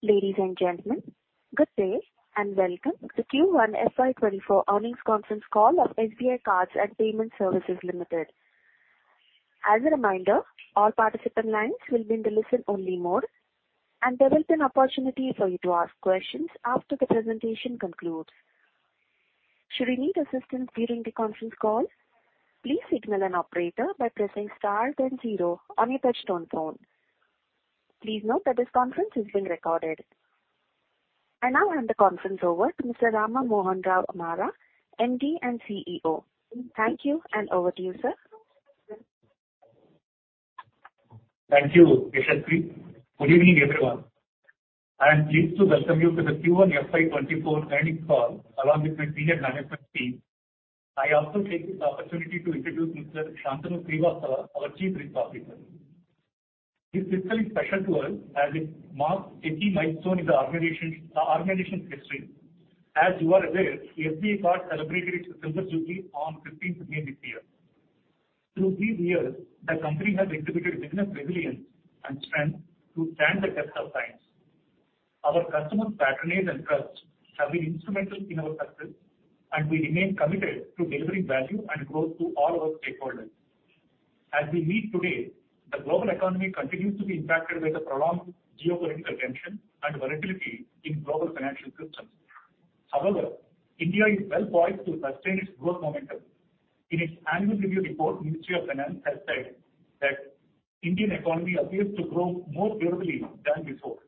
Ladies and gentlemen, good day, and welcome to Q1 FY 2024 Earnings Conference Call of SBI Cards and Payment Services Limited. As a reminder, all participant lines will be in the listen-only mode, and there will be an opportunity for you to ask questions after the presentation concludes. Should you need assistance during the conference call, please signal an operator by pressing star then zero on your touchtone phone. Please note that this conference is being recorded. I now hand the conference over to Mr. Rama Mohan Rao Amara, MD and CEO. Thank you, and over to you, sir. Thank you, Yashaswi. Good evening, everyone. I am pleased to welcome you to the Q1 FY 2024 earnings call, along with my senior management team. I also take this opportunity to introduce Mr. Shantanu Srivastava, our Chief Risk Officer. This quarter is special to us, as it marks a key milestone in the organization, the organization's history. As you are aware, SBI Card celebrated its silver jubilee on 15th May, this year. Through these years, the company has exhibited business resilience and strength to stand the test of times. Our customers' patronage and trust have been instrumental in our success, and we remain committed to delivering value and growth to all our stakeholders. As we meet today, the global economy continues to be impacted by the prolonged geopolitical tension and volatility in global financial systems. However, India is well poised to sustain its growth momentum. In its annual review report, Ministry of Finance has said that Indian economy appears to grow more durably than before.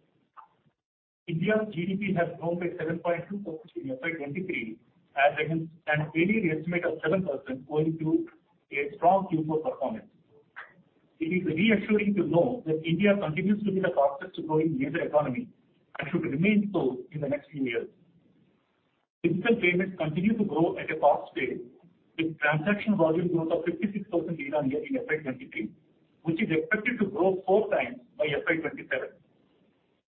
India's GDP has grown by 7.2% in FY 2023, as against an earlier estimate of 7%, owing to a strong Q4 performance. It is reassuring to know that India continues to be the fastest growing major economy, should remain so in the next few years. Digital payments continue to grow at a fast pace, with transaction volume growth of 56% year-on-year in FY 2023, which is expected to grow four times by FY 2027.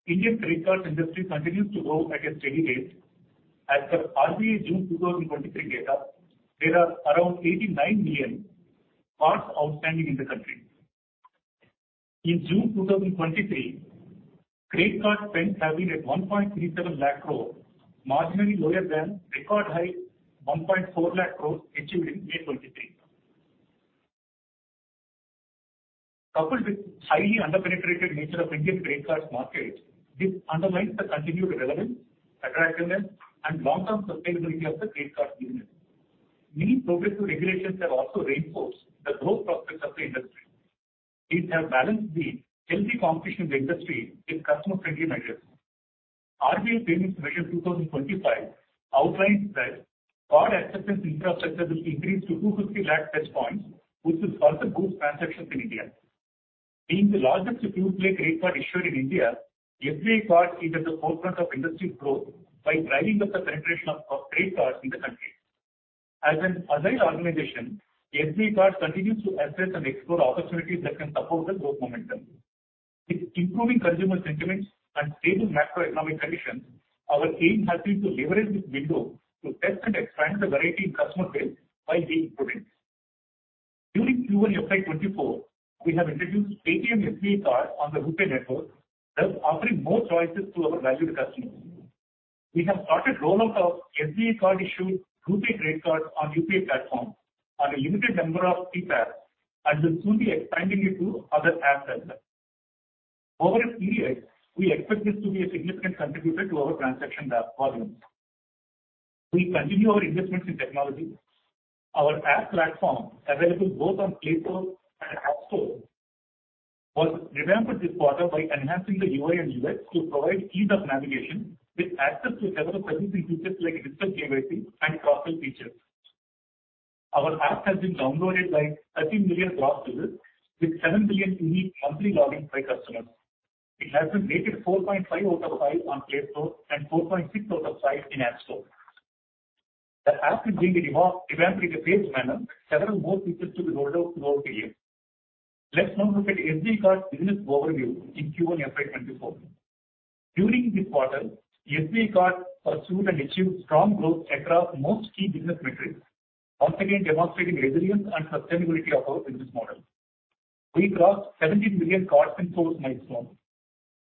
Indian credit card industry continues to grow at a steady rate. As per RBI June 2023 data, there are around 89 million cards outstanding in the country. In June 2023, credit card spends have been at 1.37 lakh crore, marginally lower than record high, 1.4 lakh crore achieved in May 2023. Coupled with highly underpenetrated nature of Indian credit cards market, this underlines the continued relevance, attractiveness, and long-term sustainability of the credit card business. Many progressive regulations have also reinforced the growth prospects of the industry. These have balanced the healthy competition in the industry with customer-friendly measures. RBI Payments Vision 2025 outlines that card acceptance infrastructure will increase to 250 lakh touchpoints, which will further boost transactions in India. Being the largest pure-play credit card issuer in India, SBI Card is at the forefront of industry growth by driving up the penetration of credit cards in the country. As an agile organization, SBI Card continues to assess and explore opportunities that can support the growth momentum. With improving consumer sentiments and stable macroeconomic conditions, our aim has been to leverage this window to test and expand the variety in customer base while being prudent. During Q1 FY 2024, we have introduced ATM SBI Card on the RuPay network, thus offering more choices to our valued customers. We have started rollout of SBI Card issued RuPay credit card on UPI platform on a limited number of TPAPs, and will soon be expanding it to other app vendors. Over a period, we expect this to be a significant contributor to our transaction volumes. We continue our investments in technology. Our app platform, available both on Play Store and App Store, was revamped this quarter by enhancing the UI and UX to provide ease of navigation, with access to several exciting features like digital KYC and profile features. Our app has been downloaded by 13 million customers, with 7 million unique monthly logins by customers. It has been rated 4.5 out of 5 on Play Store and 4.6 out of 5 in App Store. The app is being revamped in a phased manner. Several more features to be rolled out over the year. Let's now look at SBI Card business overview in Q1 FY 2024. During this quarter, SBI Card pursued and achieved strong growth across most key business metrics, once again demonstrating resilience and sustainability of our business model. We crossed 17 million Cards-in-Force milestone.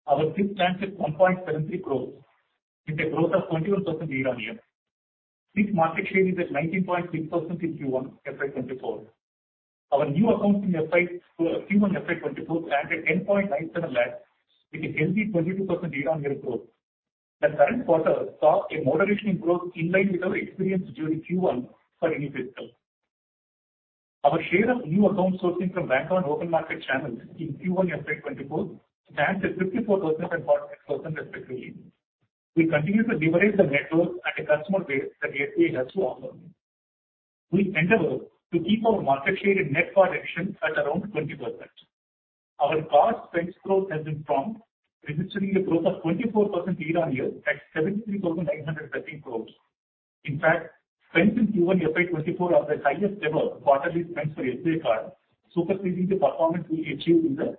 Our CIF stands at 1.73 crore, with a growth of 21% year-on-year. CIF market share is at 19.6% in Q1 FY 2024. Our new accounts in Q1 FY 2024 stand at INR 10.97 lakh, with a healthy 22% year-on-year growth. The current quarter saw a moderation in growth in line with our experience during Q1 for any fiscal. Our share of new account sourcing from Banca and open market channels in Q1 FY 2024, stands at 54% and 46%, respectively. We continue to leverage the network and the customer base that SBI has to offer. We endeavor to keep our market share in net card addition at around 20%. Our card spends growth has been strong, registering a growth of 24% year-on-year at 73,913 crores. In fact, spends in Q1 FY 2024 are the highest ever quarterly spends for SBI Card, surpassing the performance we achieved in the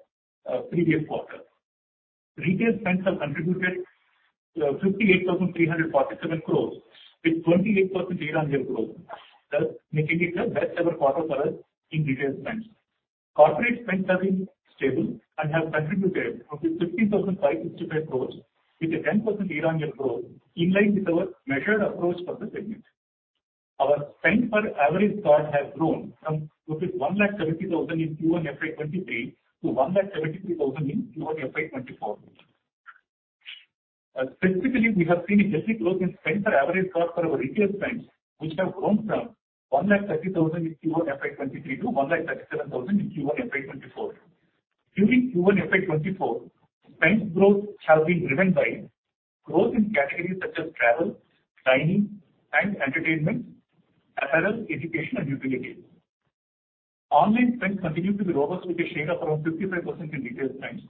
previous quarter. Retail spends have contributed 58,347 crores with 28% year-on-year growth, thus making it the best ever quarter for us in Retail spends. Corporate spends have been stable and have contributed to the 50,565 crores, with a 10% year-on-year growth, in line with our measured approach for the segment. Our Spend per average card has grown from rupees 1,70,000 in Q1 FY 2023 to 1,73,000 in Q1 FY 2024. Specifically, we have seen a healthy growth in Spend per average card for our Retail spends, which have grown from 1,30,000 in Q1 FY 2023 to 1,37,000 in Q1 FY 2024. During Q1 FY 2024, spend growth has been driven by growth in categories such as travel, dining, and entertainment, apparel, education, and utilities. Online spend continued to be robust, with a share of around 55% in Retail spend.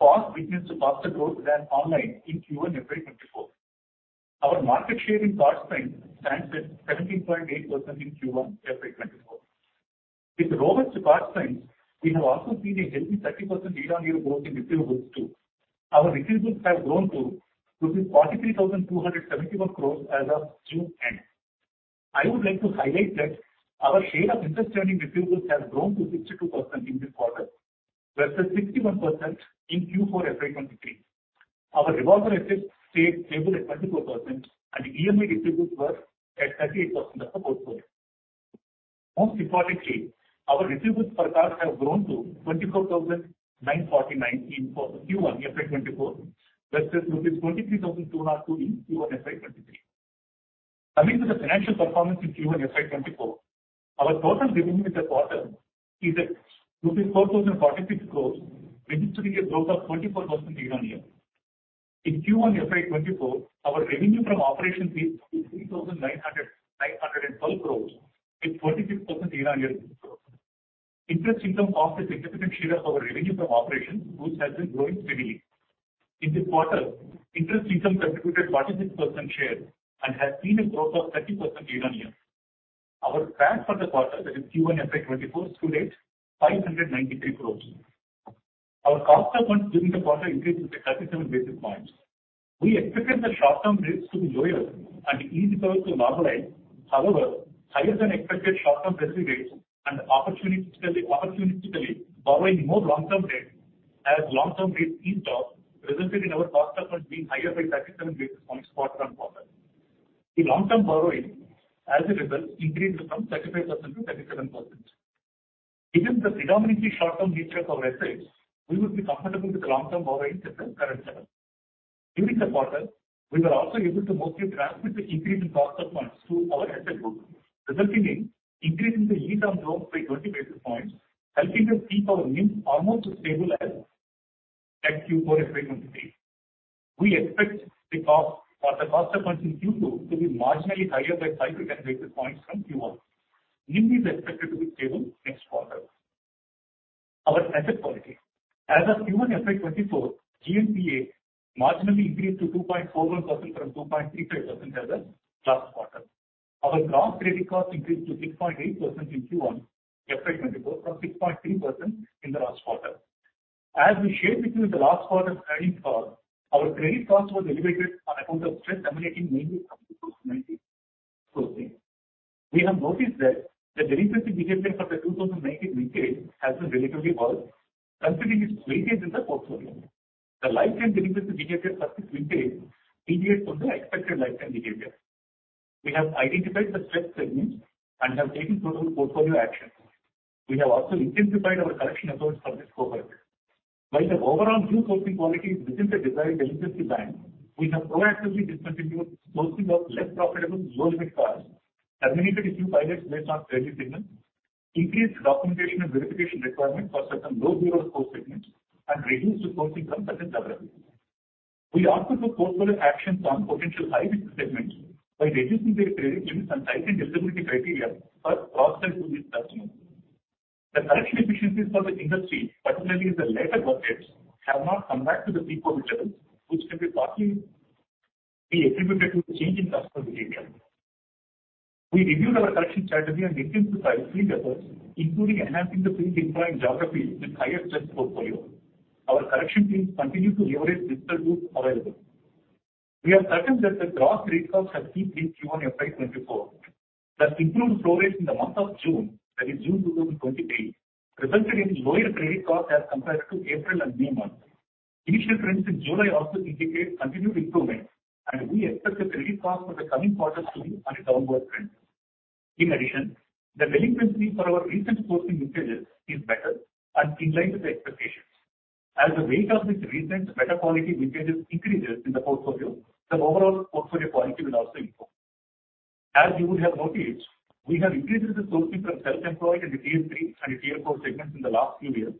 Cost witnessed faster growth than Online in Q1 FY 2024. Our market share in card spend stands at 17.8% in Q1 FY 2024. With robust card spends, we have also seen a healthy 30% year-on-year growth in receivables too. Our receivables have grown to ₹43,271 crores as of June end. I would like to highlight that our share of interest earning receivables has grown to 62% in this quarter, versus 61% in Q4 FY 2023. Our revolver assets stayed stable at 24%, and the EMI receivables were at 38% of the portfolio. Most importantly, our receivables per card have grown to 24,949 for Q1 FY 2024, versus INR 23,202 in Q1 FY 2023. Coming to the financial performance in Q1 FY 2024, our total revenue in the quarter is at 4,046 crores, registering a growth of 24% year-on-year. Q1 FY 2024, our revenue from operations is 3,912 crores, with 46% year-on-year growth. Interest income offers a significant share of our revenue from operations, which has been growing steadily. In this quarter, interest income contributed 46% share and has seen a growth of 30% year-on-year. Our tax for the quarter, that is Q1 FY 2024, stood at 593 crores. Our cost of funds during the quarter increased to the 37 basis points. We expected the short-term rates to be lower and ECL cover to normalize. However, higher than expected short-term rates and opportunistically borrowing more long-term rate as long-term rates in drop, resulted in our cost of funds being higher by 37 basis points for current quarter. The long-term borrowing, as a result, increased from 35% to 37%. Given the predominantly short-term nature of our assets, we will be comfortable with the long-term borrowing at the current level. During the quarter, we were also able to mostly transmit the increase in cost of funds to our asset group, resulting in increasing the yield on loans by 20 basis points, helping us keep our NIMs almost as stable as at Q4 FY 2023. We expect the cost for the cost of funds in Q2 to be marginally higher by 5-10 basis points from Q1. NIMs is expected to be stable next quarter. Our asset quality, as of Q1 FY 2024, GNPA marginally increased to 2.41% from 2.35% as of Q4 FY 2023. Our Gross Credit Cost increased to 6.8% in Q1 FY 2024, from 6.3% in Q4 FY 2023. As we shared with you in the last quarter earning call, our credit costs were elevated on account of stress emanating mainly from the 2019 COVID. We have noticed that the delinquency behavior for the 2019 vintage has been relatively worse, considering its weightage in the portfolio. The lifetime delinquency behavior for this vintage deviates from the expected lifetime behavior. We have identified the stress segments and have taken total portfolio action. We have also intensified our collection efforts for this cohort. While the overall new sourcing quality is within the desired delinquency band, we have proactively discontinued sourcing of less profitable low risk cards, terminated a few pilots based on early signals, increased documentation and verification requirements for certain low bureau score segments, and reduced sourcing from certain channels. We also took portfolio actions on potential high-risk segments by reducing the credit limits and tightening eligibility criteria for cross-sell to these customers. The collection efficiencies for the industry, particularly in the later cohorts, have not come back to the pre-COVID levels, which can be partly be attributed to the change in customer behavior. We reviewed our collection strategy and intensified efforts, including enhancing the field team in geographies with higher stress portfolio. Our collection teams continue to leverage digital tools available. We are certain that the Gross Credit Cost have peaked in Q1 FY 2024. The improved prowess in the month of June, that is June 2023, resulted in lower credit costs as compared to April and May month. Initial trends in July also indicate continued improvement, and we expect the credit cost for the coming quarters to be on a downward trend. In addition, the delinquency for our recent sourcing vintages is better and in line with the expectations. As the weight of these recent better quality vintages increases in the portfolio, the overall portfolio quality will also improve. As you would have noticed, we have increased the sourcing from self-employed and tier three and tier four segments in the last few years.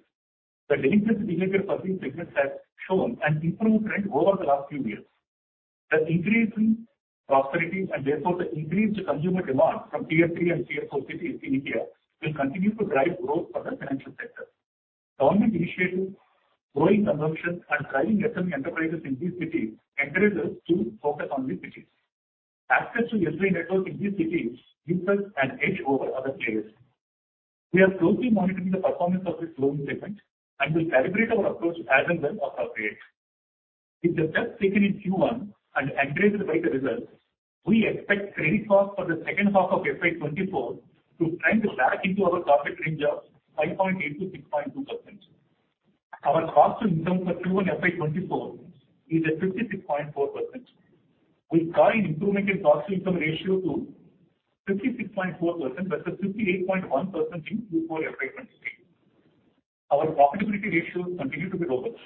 The delinquency behavior for these segments has shown an improvement trend over the last few years. The increasing prosperity and therefore the increased consumer demand from tier three and tier four cities in India will continue to drive growth for the financial sector. Government initiatives, growing consumption, and thriving SME enterprises in these cities encourages us to focus on these cities. Access to Yes Bank network in these cities gives us an edge over other players. We are closely monitoring the performance of this loan segment and will calibrate our approach as and when appropriate. With the steps taken in Q1 and encouraged by the results, we expect credit cost for the second half of FY 2024 to trend back into our target range of 5.8%-6.2%. Our cost income for Q1 FY 2024 is at 56.4%. We saw an improvement in cost income ratio to 56.4% versus 58.1% in Q4 FY 2023. Our profitability ratios continue to be robust.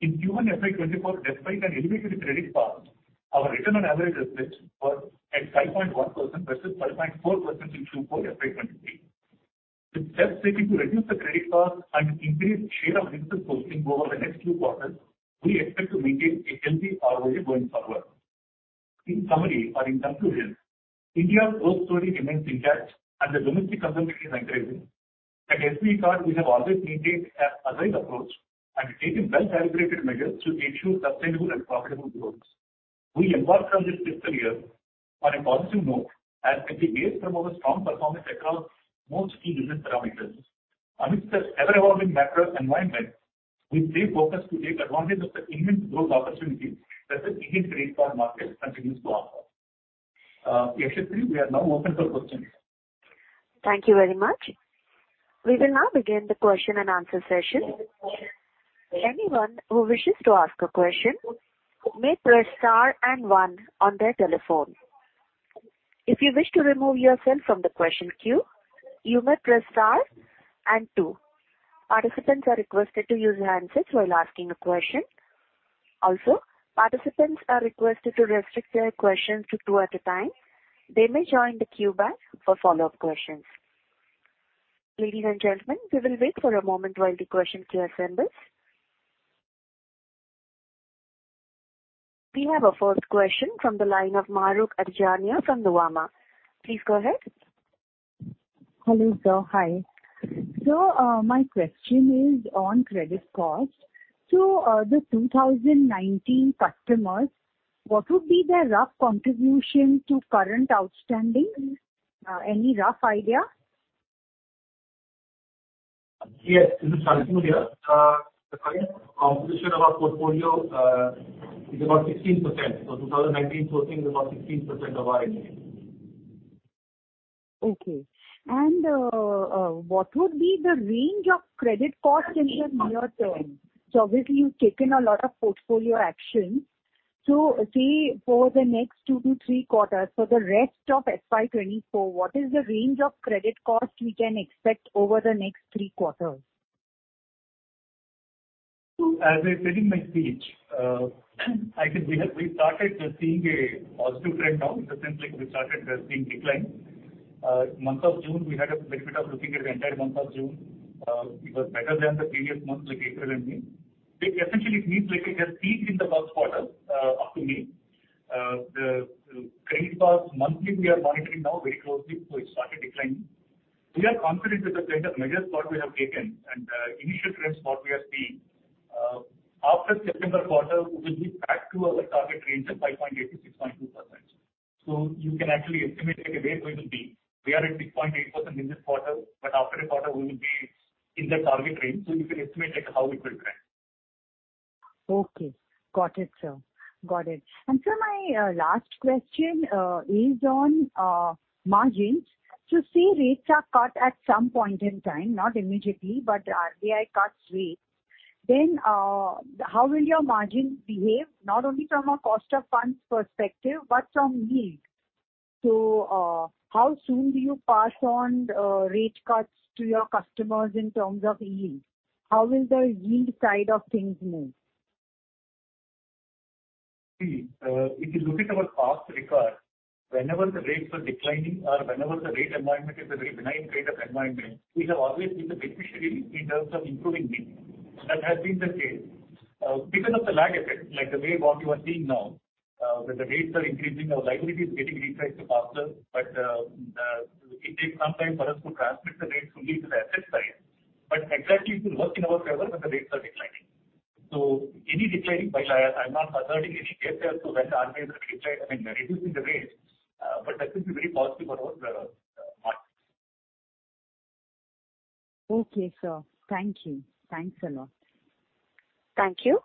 In Q1 FY 2024, despite an elevated credit cost, our return on average assets was at 5.1% versus 5.4% in Q4 FY 2023. With steps taken to reduce the credit cost and increase share of interest costing over the next few quarters, we expect to maintain a healthy ROA going forward. In summary or in conclusion, India's growth story remains intact and the domestic consumption is encouraging. At SBI Card, we have always maintained a balanced approach and taken well-calibrated measures to ensure sustainable and profitable growth. We embark on this fiscal year on a positive note, as it is based on our strong performance across most key business parameters. Amidst the ever-evolving macro environment, we stay focused to take advantage of the immense growth opportunities that the digital card market continues to offer. Yes, actually, we are now open for questions. Thank you very much. We will now begin the question and answer session. Anyone who wishes to ask a question may press star and one on their telephone. If you wish to remove yourself from the question queue, you may press star and two. Participants are requested to use handsets while asking a question. Also, participants are requested to restrict their questions to two at a time. They may join the queue back for follow-up questions. Ladies and gentlemen, we will wait for a moment while the question queue assembles. We have a first question from the line of Mahrukh Adajania from the Nuvama. Please go ahead. Hello, sir. Hi. My question is on credit cost. The 2019 customers, what would be their rough contribution to current outstanding? Any rough idea? Yes, this is Sanju here. The current composition of our portfolio, is about 16%. 2019 sourcing is about 16% of our income. Okay. What would be the range of credit cost in the near term? Obviously, you've taken a lot of portfolio action. Say, for the next 2-3 quarters, for the rest of FY 2024, what is the range of credit cost we can expect over the next 3 quarters? As I said in my speech, I think we started seeing a positive trend now, in the sense like we started seeing decline. Month of June, we had a benefit of looking at the entire month of June. It was better than the previous month, like April and May. It essentially means like a peak in the Q1, up to May. The credit cost monthly, we are monitoring now very closely, it started declining. We are confident that the kind of measures that we have taken and initial trends, what we are seeing, after September quarter, we will be back to our target range of 5.8%-6.2%. You can actually estimate, like, where we will be. We are at 6.8% in this quarter, but after a quarter, we will be in the target range, so you can estimate, like, how it will trend. Okay, got it, sir. Got it. Sir, my last question is on margins. Say rates are cut at some point in time, not immediately, but the RBI cuts rates, how will your margins behave, not only from a cost of funds perspective, but from yield? How soon do you pass on rate cuts to your customers in terms of yield? How will the yield side of things move? If you look at our past record, whenever the rates were declining or whenever the rate environment is a very benign rate of environment, we have always been the beneficiary in terms of improving yield. That has been the case. Because of the lag effect, like the way what you are seeing now, when the rates are increasing, our liability is getting retried to faster, but it takes some time for us to transmit the rates fully to the asset side, but exactly it will work in our favor when the rates are declining. Any declining, but I, I'm not asserting any case here. When the RBI is declining, I mean, reducing the rates, but that will be very positive for our margin. Okay, sir. Thank you. Thanks a lot. Thank you.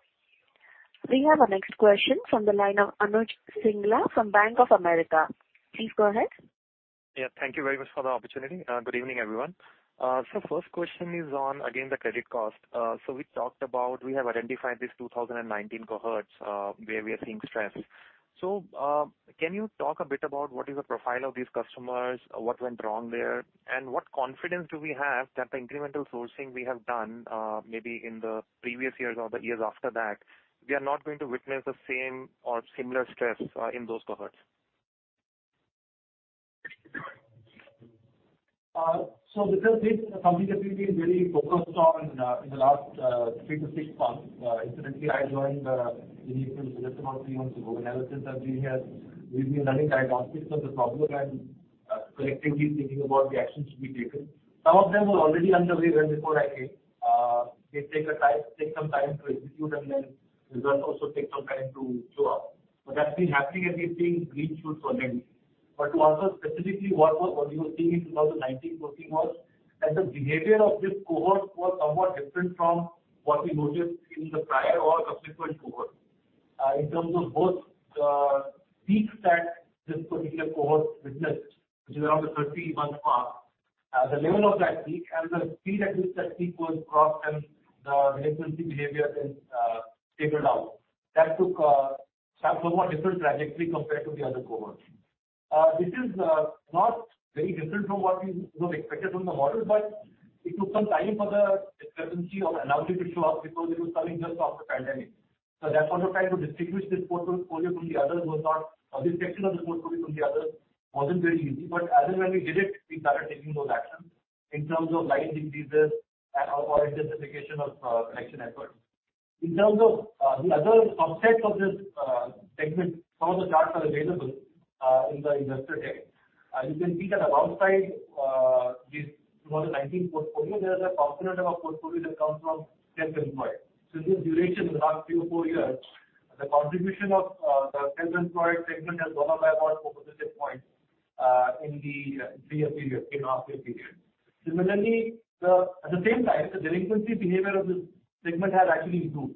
We have our next question from the line of Anuj Singla from Bank of America. Please go ahead. Yeah, thank you very much for the opportunity. Good evening, everyone. First question is on, again, the credit cost. We talked about we have identified this 2019 cohorts, where we are seeing stress. Can you talk a bit about what is the profile of these customers? What went wrong there? What confidence do we have that the incremental sourcing we have done, maybe in the previous years or the years after that, we are not going to witness the same or similar stress, in those cohorts? Because this is something that we've been very focused on, in the last, 3-6 months. Incidentally, I joined, just about three months ago, and ever since I've been here, we've been running diagnostics of the problem and, collectively thinking about the actions to be taken. Some of them were already underway even before I came. They take the time, take some time to execute, and then results also take some time to show up. That's been happening, and we're seeing green shoots on them. To answer specifically what was, what you were seeing in 2019 working was, that the behavior of this cohort was somewhat different from what we noticed in the prior or subsequent cohort. In terms of both peaks that this particular cohort witnessed, which is around the 30-month mark, the level of that peak and the speed at which that peak was crossed and the delinquency behavior then tapered out. That took a somewhat different trajectory compared to the other cohorts. This is not very different from what we would have expected from the model, but it took some time for the discrepancy or anomaly to show up because it was coming just after the pandemic. That's one more time to distinguish this portfolio from the others, was not... distinction of this portfolio from the others wasn't very easy. But as and when we did it, we started taking those actions in terms of line decreases and/or intensification of collection efforts. In terms of the other subsets of this segment, some of the charts are available in the investor deck. You can see that alongside this 1 in 19 portfolio, there is a component of our portfolio that comes from self-employed. This duration in the last 3 or 4 years, the contribution of the self-employed segment has gone up by about 4 percentage points in the 3-year period. Similarly, at the same time, the delinquency behavior of this segment has actually improved.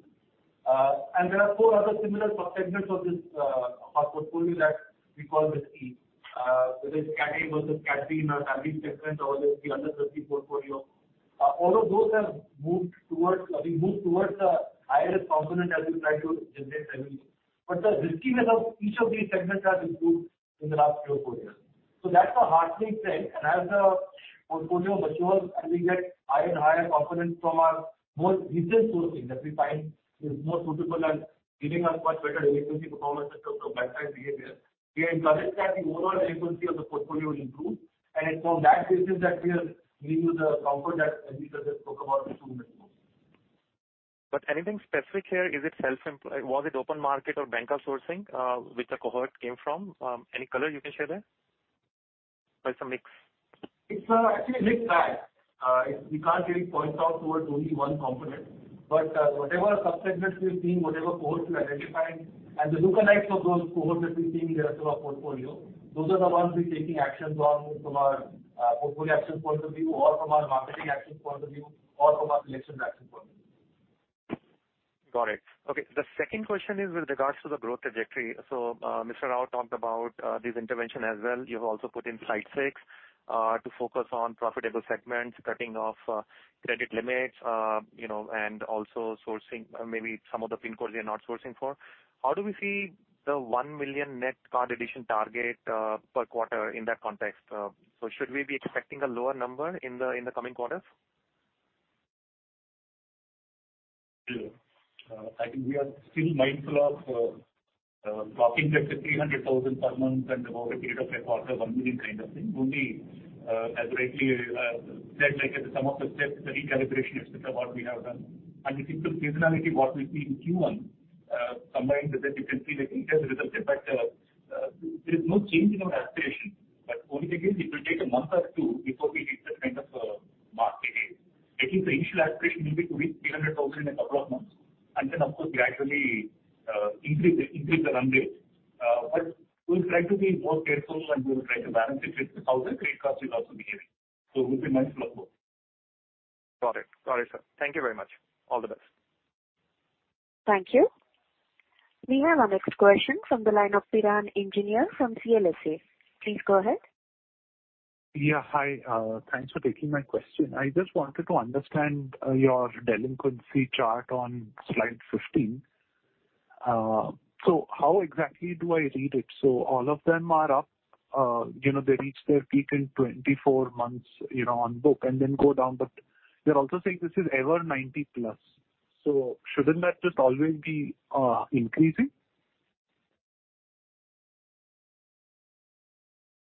There are 4 other similar subsegments of this our portfolio that we call risky, whether it's category versus category in our family segment or the other 30 portfolio. All of those have moved towards, I think, moved towards a higher component as we try to generate revenue. The riskiness of each of these segments has improved in the last 3 or 4 years. That's a heartening trend. As the portfolio matures and we get higher and higher component from our more recent sourcing that we find is more suitable and giving us much better delinquency performance and from bank side behavior, we are encouraged that the overall delinquency of the portfolio will improve, and it's from that basis that we are giving you the comfort that Anita just spoke about a few minutes ago. Anything specific here, is it self-employed? Was it open market or banker sourcing, which the cohort came from? Any color you can share there, or it's a mix? It's actually a mixed bag. We can't really point out towards only one component, but whatever subsegments we've seen, whatever cohorts we identified and the lookalikes of those cohorts that we see in the rest of our portfolio, those are the ones we're taking actions on from our portfolio action point of view, or from our marketing action point of view, or from our collections action point of view. Got it. Okay, the second question is with regards to the growth trajectory. Mr. Rao talked about this intervention as well. You've also put in slide 6 to focus on profitable segments, cutting off credit limits, you know, and also sourcing maybe some of the pin codes we are not sourcing for. How do we see the 1 million net card addition target per quarter in that context? Should we be expecting a lower number in the coming quarters? Sure. I think we are still mindful of talking about the 300,000 per month and about a period of a quarter, 1 million kind of thing. Only, as rightly said, like, some of the steps, the recalibration, et cetera, what we have done. We think the seasonality, what we see in Q1, combined with the delinquency, that is the result. There is no change in our aspiration, but only again, it will take a month or two before we hit that kind of mark again. I think the initial aspiration will be to reach 300,000 in a couple of months, and then, of course, gradually increase the run rate. We'll try to be more careful, and we will try to balance it with how the credit card is also behaving. We'll be mindful of both. Got it. Got it, sir. Thank you very much. All the best. Thank you. We have our next question from the line of Piran Engineer from CLSA. Please go ahead. Yeah, hi. Thanks for taking my question. I just wanted to understand your delinquency chart on slide 15. How exactly do I read it? All of them are up, you know, they reach their peak in 24 months, you know, on book and then go down, but they're also saying this is ever 90+. Shouldn't that just always be increasing?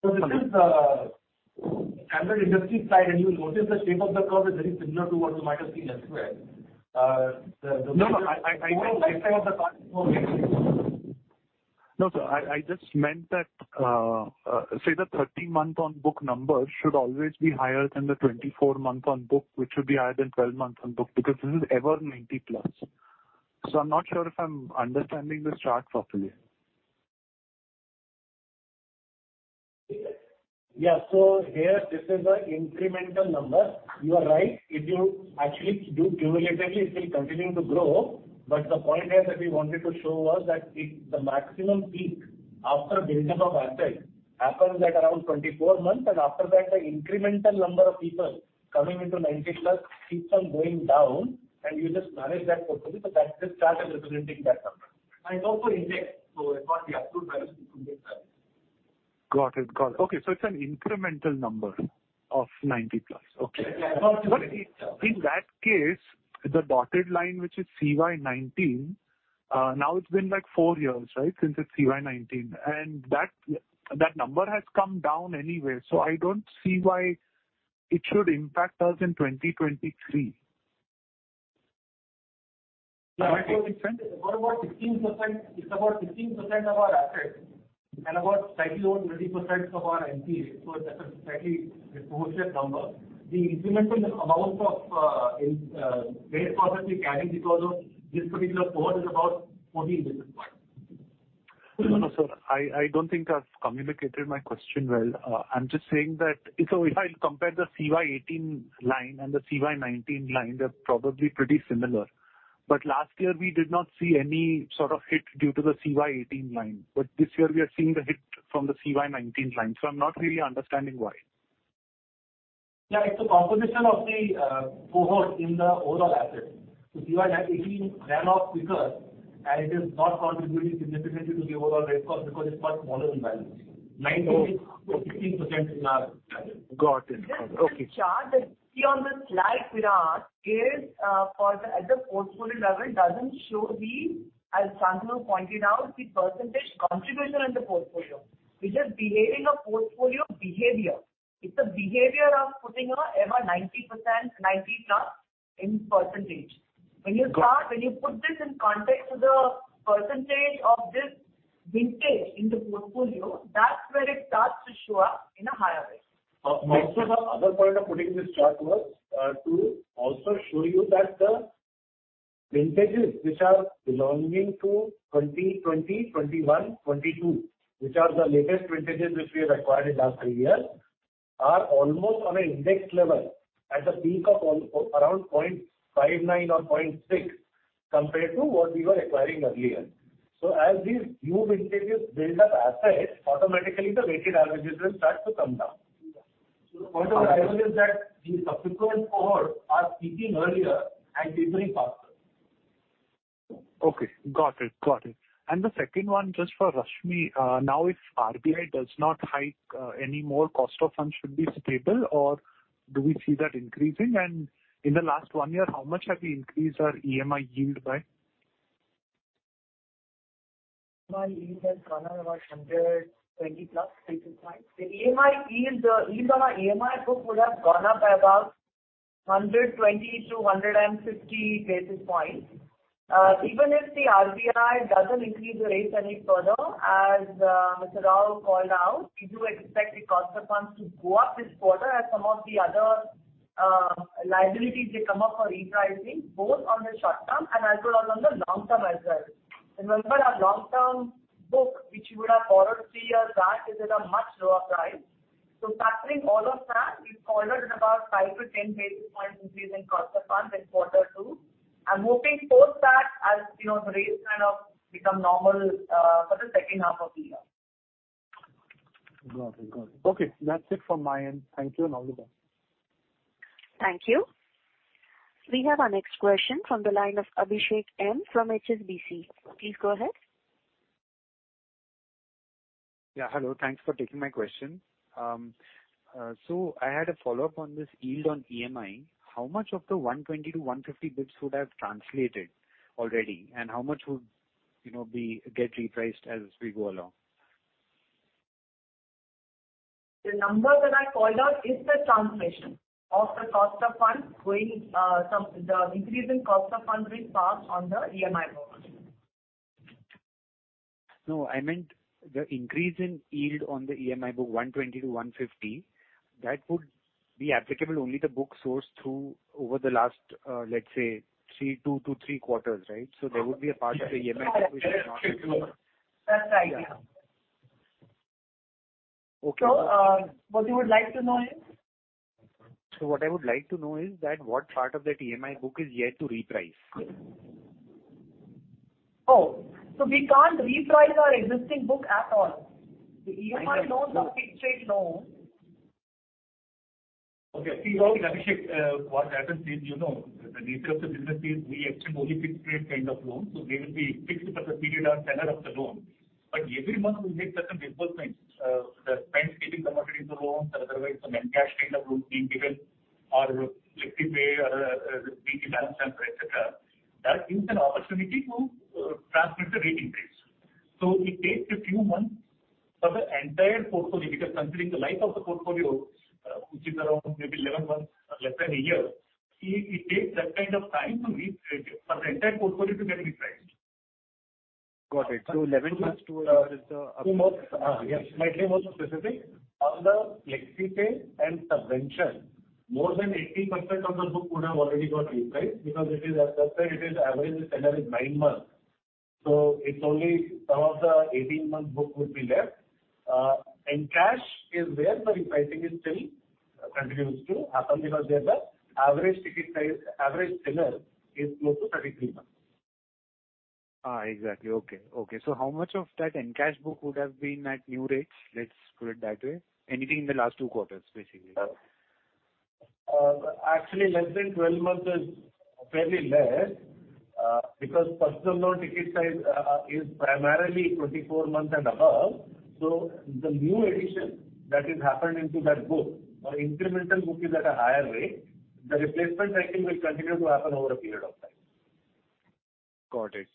This is standard industry side, and you'll notice the shape of the curve is very similar to what you might have seen elsewhere. No, I meant- Shape of the curve. No, sir, I, I just meant that, say, the 13-month on book number should always be higher than the 24-month on book, which should be higher than 12 months on book, because this is ever 90+. I'm not sure if I'm understanding this chart properly. Yeah. Here, this is an incremental number. You are right. If you actually do cumulatively, it will continue to grow. The point here that we wanted to show was that it the maximum peak after buildup of asset happens at around 24 months, and after that, the incremental number of people coming into 90 plus keeps on going down, and you just manage that portfolio. That, this chart is representing that number. It's also index, so it's not the absolute value, index value. Got it. Got it. Okay, so it's an incremental number of 90 plus. Okay. Yeah. In that case, the dotted line, which is CY 19, now it's been, like, 4 years, right? Since it's CY 19. That, that number has come down anyway, so I don't see why it should impact us in 2023. What about 16%? It's about 16% of our assets, and about slightly over 20% of our NPA. That's a slightly positive number. The incremental amount of based on that we carrying because of this particular port is about 40 basis points. No, no, sir, I, I don't think I've communicated my question well. I'm just saying that if I compare the CY 18 line and the CY 19 line, they're probably pretty similar. Last year we did not see any sort of hit due to the CY 18 line, but this year we are seeing the hit from the CY 19 line, I'm not really understanding why. Yeah, it's the composition of the cohort in the overall asset. CY 18 ran off quicker, and it is not contributing significantly to the overall risk cost because it's much smaller in value. 19%-16% in our value. Got it. Okay. The chart that you see on the slide, Virag, is for the at the portfolio level, doesn't show the, as Shantanu pointed out, the percentage contribution in the portfolio. It's just behaving a portfolio behavior. It's a behavior of putting a ever 90%, 90-plus in percentage. Got- When you put this in context to the percentage of this vintage in the portfolio, that's where it starts to show up in a higher way. Most of the other point of putting this chart was to also show you that the vintages which are belonging to 2020, 2021, 2022, which are the latest vintages which we have acquired in last three years, are almost on an index level at the peak of around 0.59 or 0.6, compared to what we were acquiring earlier. As these new vintages build up assets, automatically the weighted averages will start to come down. The point of arrival is that the subsequent cohort are peaking earlier and delivering faster. Okay, got it. Got it. The second one, just for Rashmi, now, if RBI does not hike, any more, cost of funds should be stable, or do we see that increasing? In the last 1 year, how much have we increased our EMI yield by? EMI yield has gone up about 120+ basis points. The EMI yield, the yield on our EMI book would have gone up by about 120-150 basis points. Even if the RBI doesn't increase the rates any further, as Mr. Rao called out, we do expect the cost of funds to go up this quarter as some of the other liabilities they come up for repricing, both on the short term and also on the long term as well. Remember, our long-term book, which you would have borrowed 3 years back, is at a much lower price. Factoring all of that, we've called it about 5-10 basis points increase in cost of funds in Q2, and moving towards that as, you know, the rates kind of become normal, for the second half of the year. Got it. Got it. Okay, that's it from my end. Thank you, and all the best. Thank you. We have our next question from the line of Abhishek M from HSBC. Please go ahead. Yeah, hello. Thanks for taking my question. I had a follow-up on this yield on EMI. How much of the 120-150 basis points would have translated already? And how much would, you know, get repriced as we go along? The number that I called out is the translation of the cost of funds going. The increase in cost of funds will pass on the EMI book. No, I meant the increase in yield on the EMI book, 120-150, that would be applicable only the book sourced through over the last, let's say, three, two to three quarters, right? There would be a part of the EMI- That's the idea. Okay. What you would like to know is? What I would like to know is that what part of the TMI book is yet to reprice? Oh, we can't reprice our existing book at all. The EMI knows the fixed rate loan. Okay, see, Abhishek, what happens is, you know, the nature of the business is we extend only fixed-rate kind of loans, so they will be fixed for the period or tenor of the loan. Every month we make certain disbursements, the principal payment coming into loans or otherwise, some encash kind of loan being given or Flexi Pay or BT balance, et cetera. That gives an opportunity to transmit the rating rates. It takes a few months for the entire portfolio, because considering the life of the portfolio, which is around maybe 11 months or less than a year, it takes that kind of time to reach rate for the entire portfolio to get repriced. Got it. 11 months to, is- Yes, slightly more specific, on the Flexi Pay and subvention, more than 80% of the book would have already got repriced, because it is, as such that it is average tenor is 9 months, so it's only some of the 18-month book would be left. Cash is where the repricing is still continues to happen, because they are the average ticket size, average seller is close to 33 months. exactly. Okay, how much of that encash book would have been at new rates? Let's put it that way. Anything in the last two quarters, basically? Actually, less than 12 months is fairly less, because personal loan ticket size is primarily 24 months and above. The new addition that is happened into that book or incremental book is at a higher rate. The replacement, I think, will continue to happen over a period of time. Got it.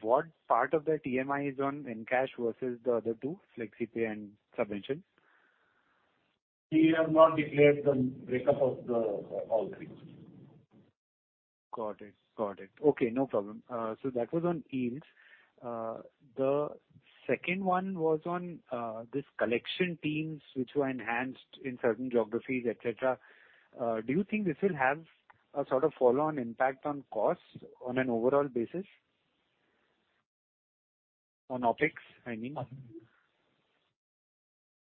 What part of the TMI is on encash versus the other two, Flexi Pay and subvention? We have not declared the breakup of the, all three. Got it. Got it. Okay, no problem. So that was on yields. The second one was on this collection teams which were enhanced in certain geographies, et cetera. Do you think this will have a sort of follow-on impact on costs on an overall basis? On OpEx, I mean.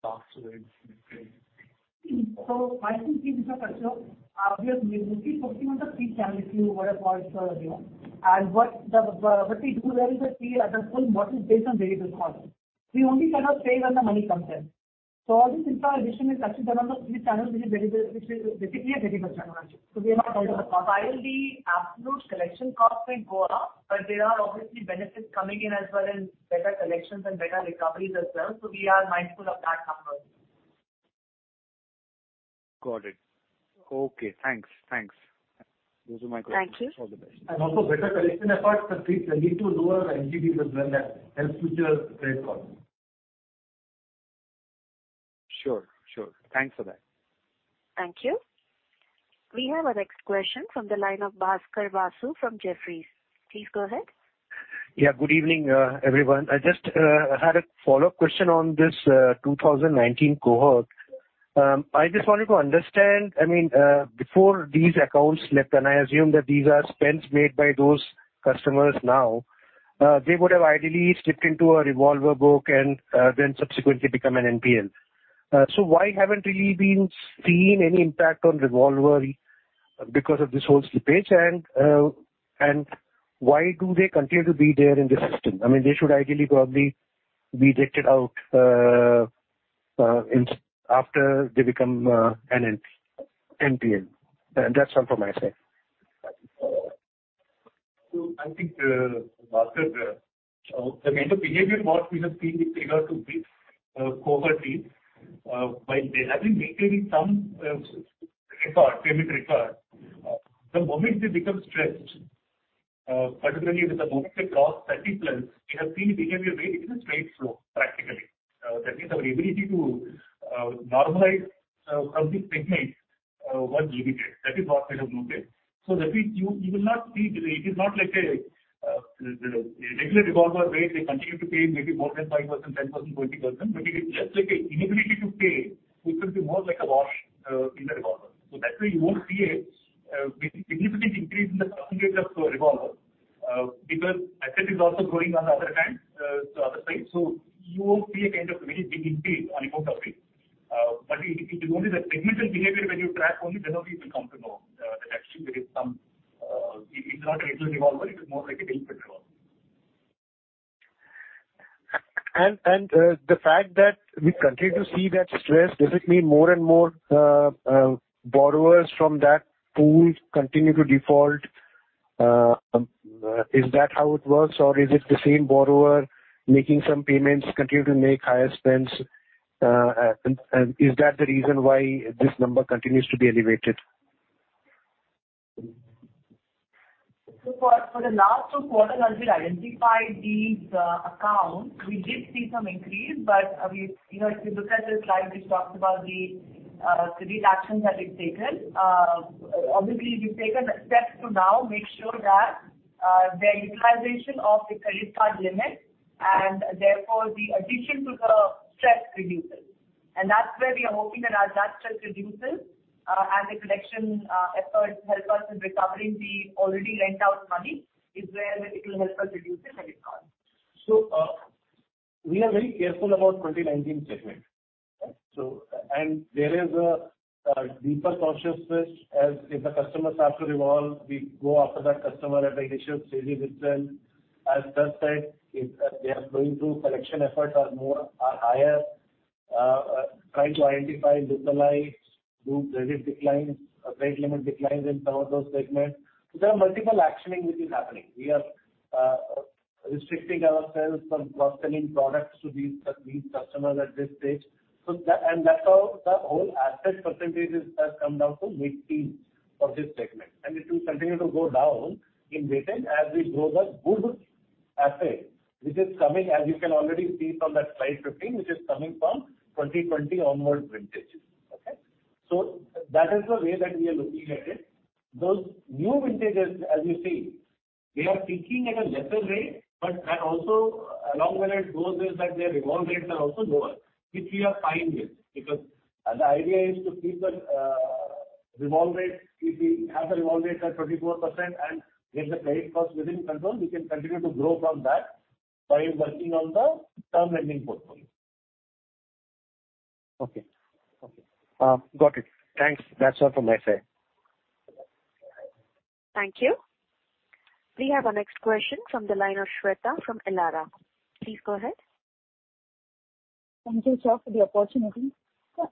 My team is a customer. We are mostly focusing on the three channels, you would have heard earlier. What the, what we do there is a fee, and that's what is based on variable cost. We only kind of pay when the money comes in. This entire addition is actually done on the three channels, which is variable, which is basically a variable channel, actually. We are not While the absolute collection costs may go up. There are obviously benefits coming in as well as better collections and better recoveries as well. We are mindful of that number. Got it. Okay, thanks. Thanks. Those are my questions. Thank you. All the best. Also better collection efforts are need to lower NPD as well, that helps with your trade cost. Sure, sure. Thanks for that. Thank you. We have our next question from the line of Bhaskar Basu from Jefferies. Please go ahead. Yeah, good evening, everyone. I just had a follow-up question on this 2019 cohort. I just wanted to understand, I mean, before these accounts left, and I assume that these are spends made by those customers now, they would have ideally slipped into a revolver book and then subsequently become an NPN. Why haven't really been seeing any impact on revolver because of this whole slippage? Why do they continue to be there in the system? I mean, they should ideally probably be decked out after they become an NPN. That's all from my side. I think, Bhaskar, I mean, the behavior what we have seen with regard to this cohort is, while they have been maintaining some record, payment record, the moment they become stressed, particularly with the moment they cross 30+, we have seen behavior very different trade flow, practically. That means our ability to normalize from the segment was limited. That is what we have noted. That means you will not see... It is not like a the regular revolver where they continue to pay maybe more than 5%, 10%, 20%, but it is just like a inability to pay, which will be more like a wash in the revolver. That's why you won't see a significant increase in the percentage of revolver, because asset is also growing on the other hand, the other side. You won't see a kind of very big impact on account of it. It is only the segmental behavior when you track only, then only you will come to know that actually there is some, it is not a revolver, it is more like a different revolver. The fact that we continue to see that stress, does it mean more and more borrowers from that pool continue to default? Is that how it works? Is it the same borrower making some payments, continue to make higher spends? Is that the reason why this number continues to be elevated? For, for the last 2 quarters, as we identified these accounts, we did see some increase. We, you know, if you look at the slide, which talks about the actions that we've taken, obviously, we've taken the steps to now make sure that the utilization of the credit card limit, and therefore the addition to the stress reduces. That's where we are hoping that as that stress reduces, and the collection efforts help us in recovering the already lent out money, is where it will help us reduce the credit card. We are very careful about 2019 segment. There is a, a deeper consciousness as if the customers have to revolve, we go after that customer at the initial stages itself. As said, if they are going through collection efforts are more, are higher, trying to identify, digitalize, do credit declines, credit limit declines in some of those segments. There are multiple actioning which is happening. We are restricting ourselves from cross-selling products to these, these customers at this stage. That, and that's how the whole asset percentages has come down to mid-teens for this segment. It will continue to go down in vintage as we grow the good asset, which is coming, as you can already see from that slide 15, which is coming from 2020 onward vintages. Okay? That is the way that we are looking at it. Those new vintages, as you see, they are peaking at a lesser rate, but, and also along with it goes is that their revolve rates are also lower, which we are fine with, because the idea is to keep the revolve rate, if we have the revolve rate at 24% and get the credit cost within control, we can continue to grow from that while working on the term lending portfolio. Okay. Okay. Got it. Thanks. That's all from my side. Thank you. We have our next question from the line of Shweta from Elara. Please go ahead. Thank you, sir, for the opportunity.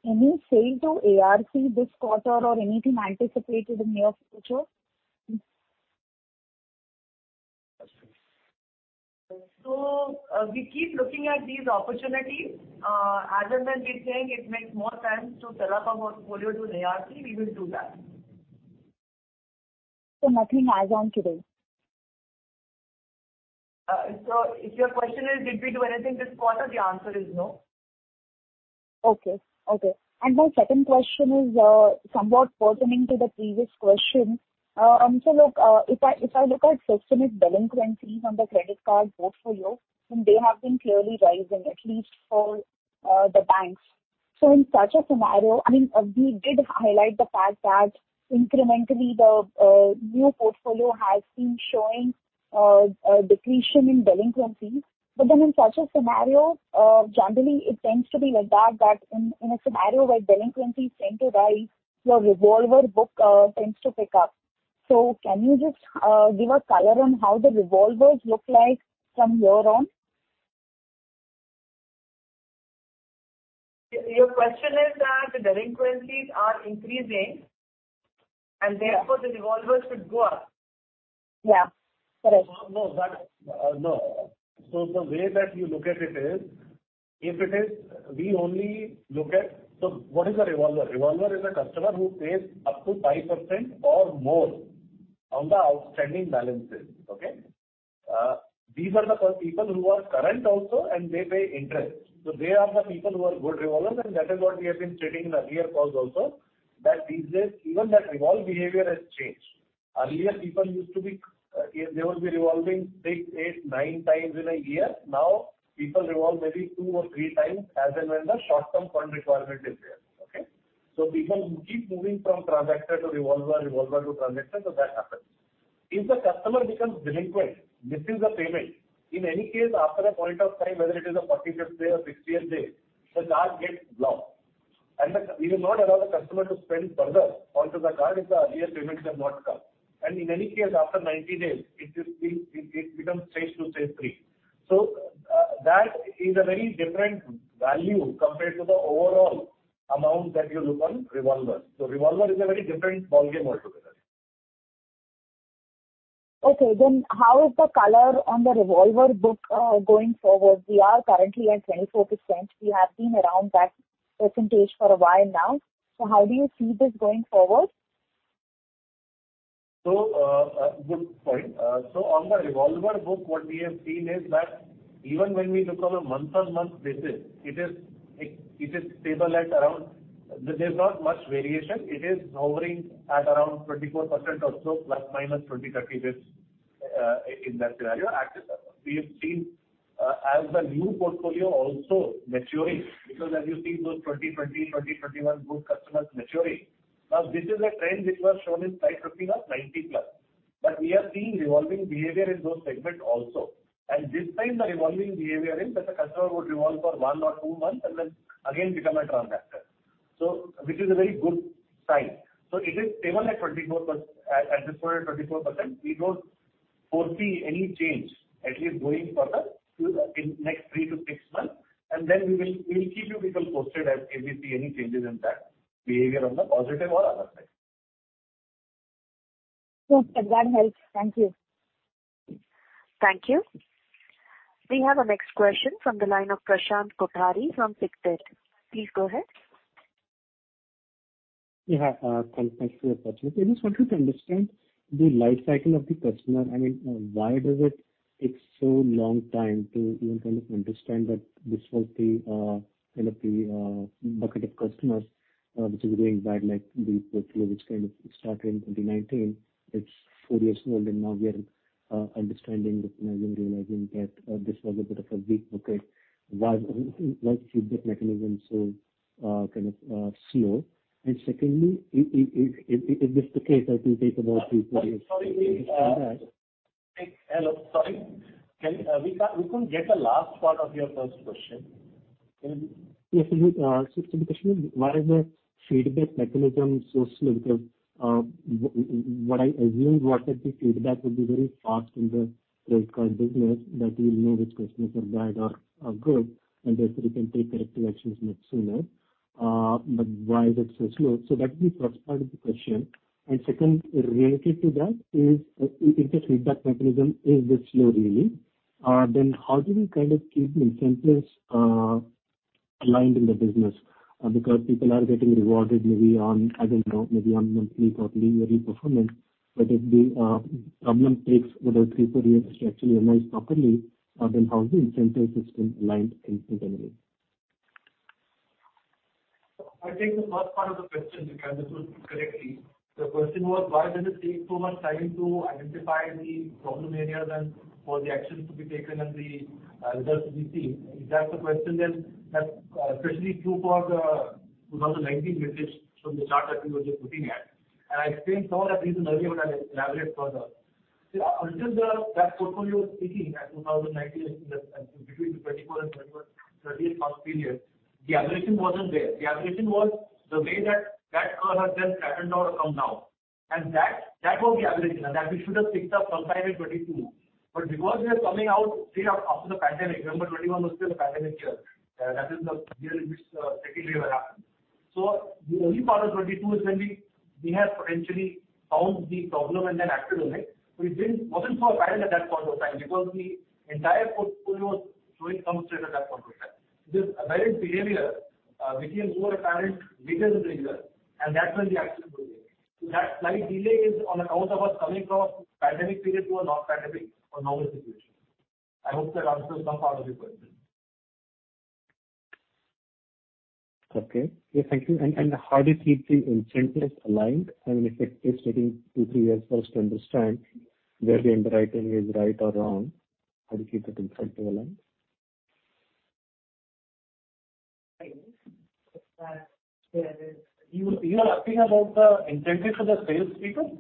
Any sale to ARC this quarter or anything anticipated in near future? We keep looking at these opportunities. As and when we think it makes more sense to sell our portfolio to the ARC, we will do that. Nothing as on today? If your question is, did we do anything this quarter? The answer is no. Okay, okay. My second question is somewhat pertaining to the previous question. look, if I, if I look at systemic delinquencies on the credit card portfolio, and they have been clearly rising, at least for the banks. In such a scenario, I mean, we did highlight the fact that incrementally the new portfolio has been showing a decrease in delinquencies. Then in such a scenario, generally, it tends to be like that, that in, in a scenario where delinquencies tend to rise, your revolver book tends to pick up. Can you just give a color on how the revolvers look like from here on? Your question is that the delinquencies are increasing, and therefore the revolvers should go up? Yeah. No, that, no. The way that you look at it is, if it is, we only look at... What is a revolver? Revolver is a customer who pays up to 5% or more on the outstanding balances. Okay? These are the people who are current also, and they pay interest. They are the people who are good revolvers, and that is what we have been stating in earlier calls also, that these days, even that revolve behavior has changed. Earlier, people used to be, they would be revolving six, eight, nine times in a year. Now, people revolve maybe two or three times as and when the short-term fund requirement is there. Okay? People keep moving from transactor to revolver, revolver to transactor, so that happens. If the customer becomes delinquent, misses a payment, in any case, after a point of time, whether it is a 45th day or 60th day, the card gets blocked. We will not allow the customer to spend further onto the card if the earlier payments have not come. In any case, after 90 days, it becomes stage 2, stage 3. That is a very different value compared to the overall amount that you look on revolver. Revolver is a very different ballgame altogether. How is the color on the revolver book going forward? We are currently at 24%. We have been around that percentage for a while now. How do you see this going forward? Good point. On the revolver book, what we have seen is that even when we look on a month-on-month basis, it is stable at around. There's not much variation. It is hovering at around 24% or so, plus minus 20, 30 basis points in that value. Actually, we have seen as the new portfolio also maturing, because as you've seen those 2020, 2021 book customers maturing. This is a trend which was shown in five fifteen or ninety plus. We are seeing revolving behavior in those segments also. This time, the revolving behavior is that the customer would revolve for 1 or 2 months, and then again become a transactor. Which is a very good sign. It is stable at 24%, at this point, at 24%. We don't foresee any change, at least going further to the, in next 3-6 months. Then we will, we will keep you people posted as if we see any changes in that behavior on the positive or other side. Sure, that helps. Thank you. Thank you. We have our next question from the line of Prashant Kothari from Pictet. Please go ahead. Yeah, thank, thanks for your question. I just wanted to understand the life cycle of the customer. I mean, why does it take so long time to even kind of understand that this was the, kind of the, bucket of customers, which is doing bad, like, the portfolio, which kind of started in 2019. It's 4 years old, and now we are, understanding, recognizing, realizing that, this was a bit of a weak bucket. Why, why is the feedback mechanism so, kind of, slow? Secondly, if, if, if this is the case, that will take about 2, 3 years- Sorry. Hello, sorry. Can we couldn't get the last part of your first question? Yes, the question is, why is the feedback mechanism so slow? Because, what I assumed was that the feedback would be very fast in the credit card business, that you will know which customers are bad or, are good, and therefore you can take corrective actions much sooner. Why is it so slow? That was the first part of the question. Second, related to that, is, if the feedback mechanism is this slow, really, then how do we kind of keep the incentives aligned in the business? Because people are getting rewarded maybe on, I don't know, maybe on monthly, quarterly, yearly performance. If the problem takes another three, four years to actually align properly, then how is the incentive system aligned instantly? I think the first part of the question, because this was correctly. The question was, why does it take so much time to identify the problem areas and for the actions to be taken and the results to be seen? If that's the question, then that's especially true for the 2019 vintage from the chart that we were just looking at. I explained some of that reason earlier, but I'll elaborate further. See, until that portfolio was peaking at 2019, between the 24 and 21, 38 month period, the aberration wasn't there. The aberration was the way that, that curve has then flattened out or come down. That, that was the aberration, and that we should have picked up sometime in 2022. Because we are coming out straight up after the pandemic, November 2021 was still a pandemic year. That is the year in which, technically it happened. The early part of 2022 is when we, we have potentially found the problem and then acted on it. Wasn't so apparent at that point of time because the entire portfolio was doing well straight at that point of time. This aberrant behavior, became more apparent later in the year, and that's when the action was taken.... That slight delay is on account of us coming from pandemic period to a non-pandemic or normal situation. I hope that answers some part of your question. Okay. Yes, thank you. How do you keep the incentives aligned? I mean, if it takes two, three years first to understand whether the underwriting is right or wrong, how do you keep it incentive aligned? Right. You are asking about the incentive for the sales people?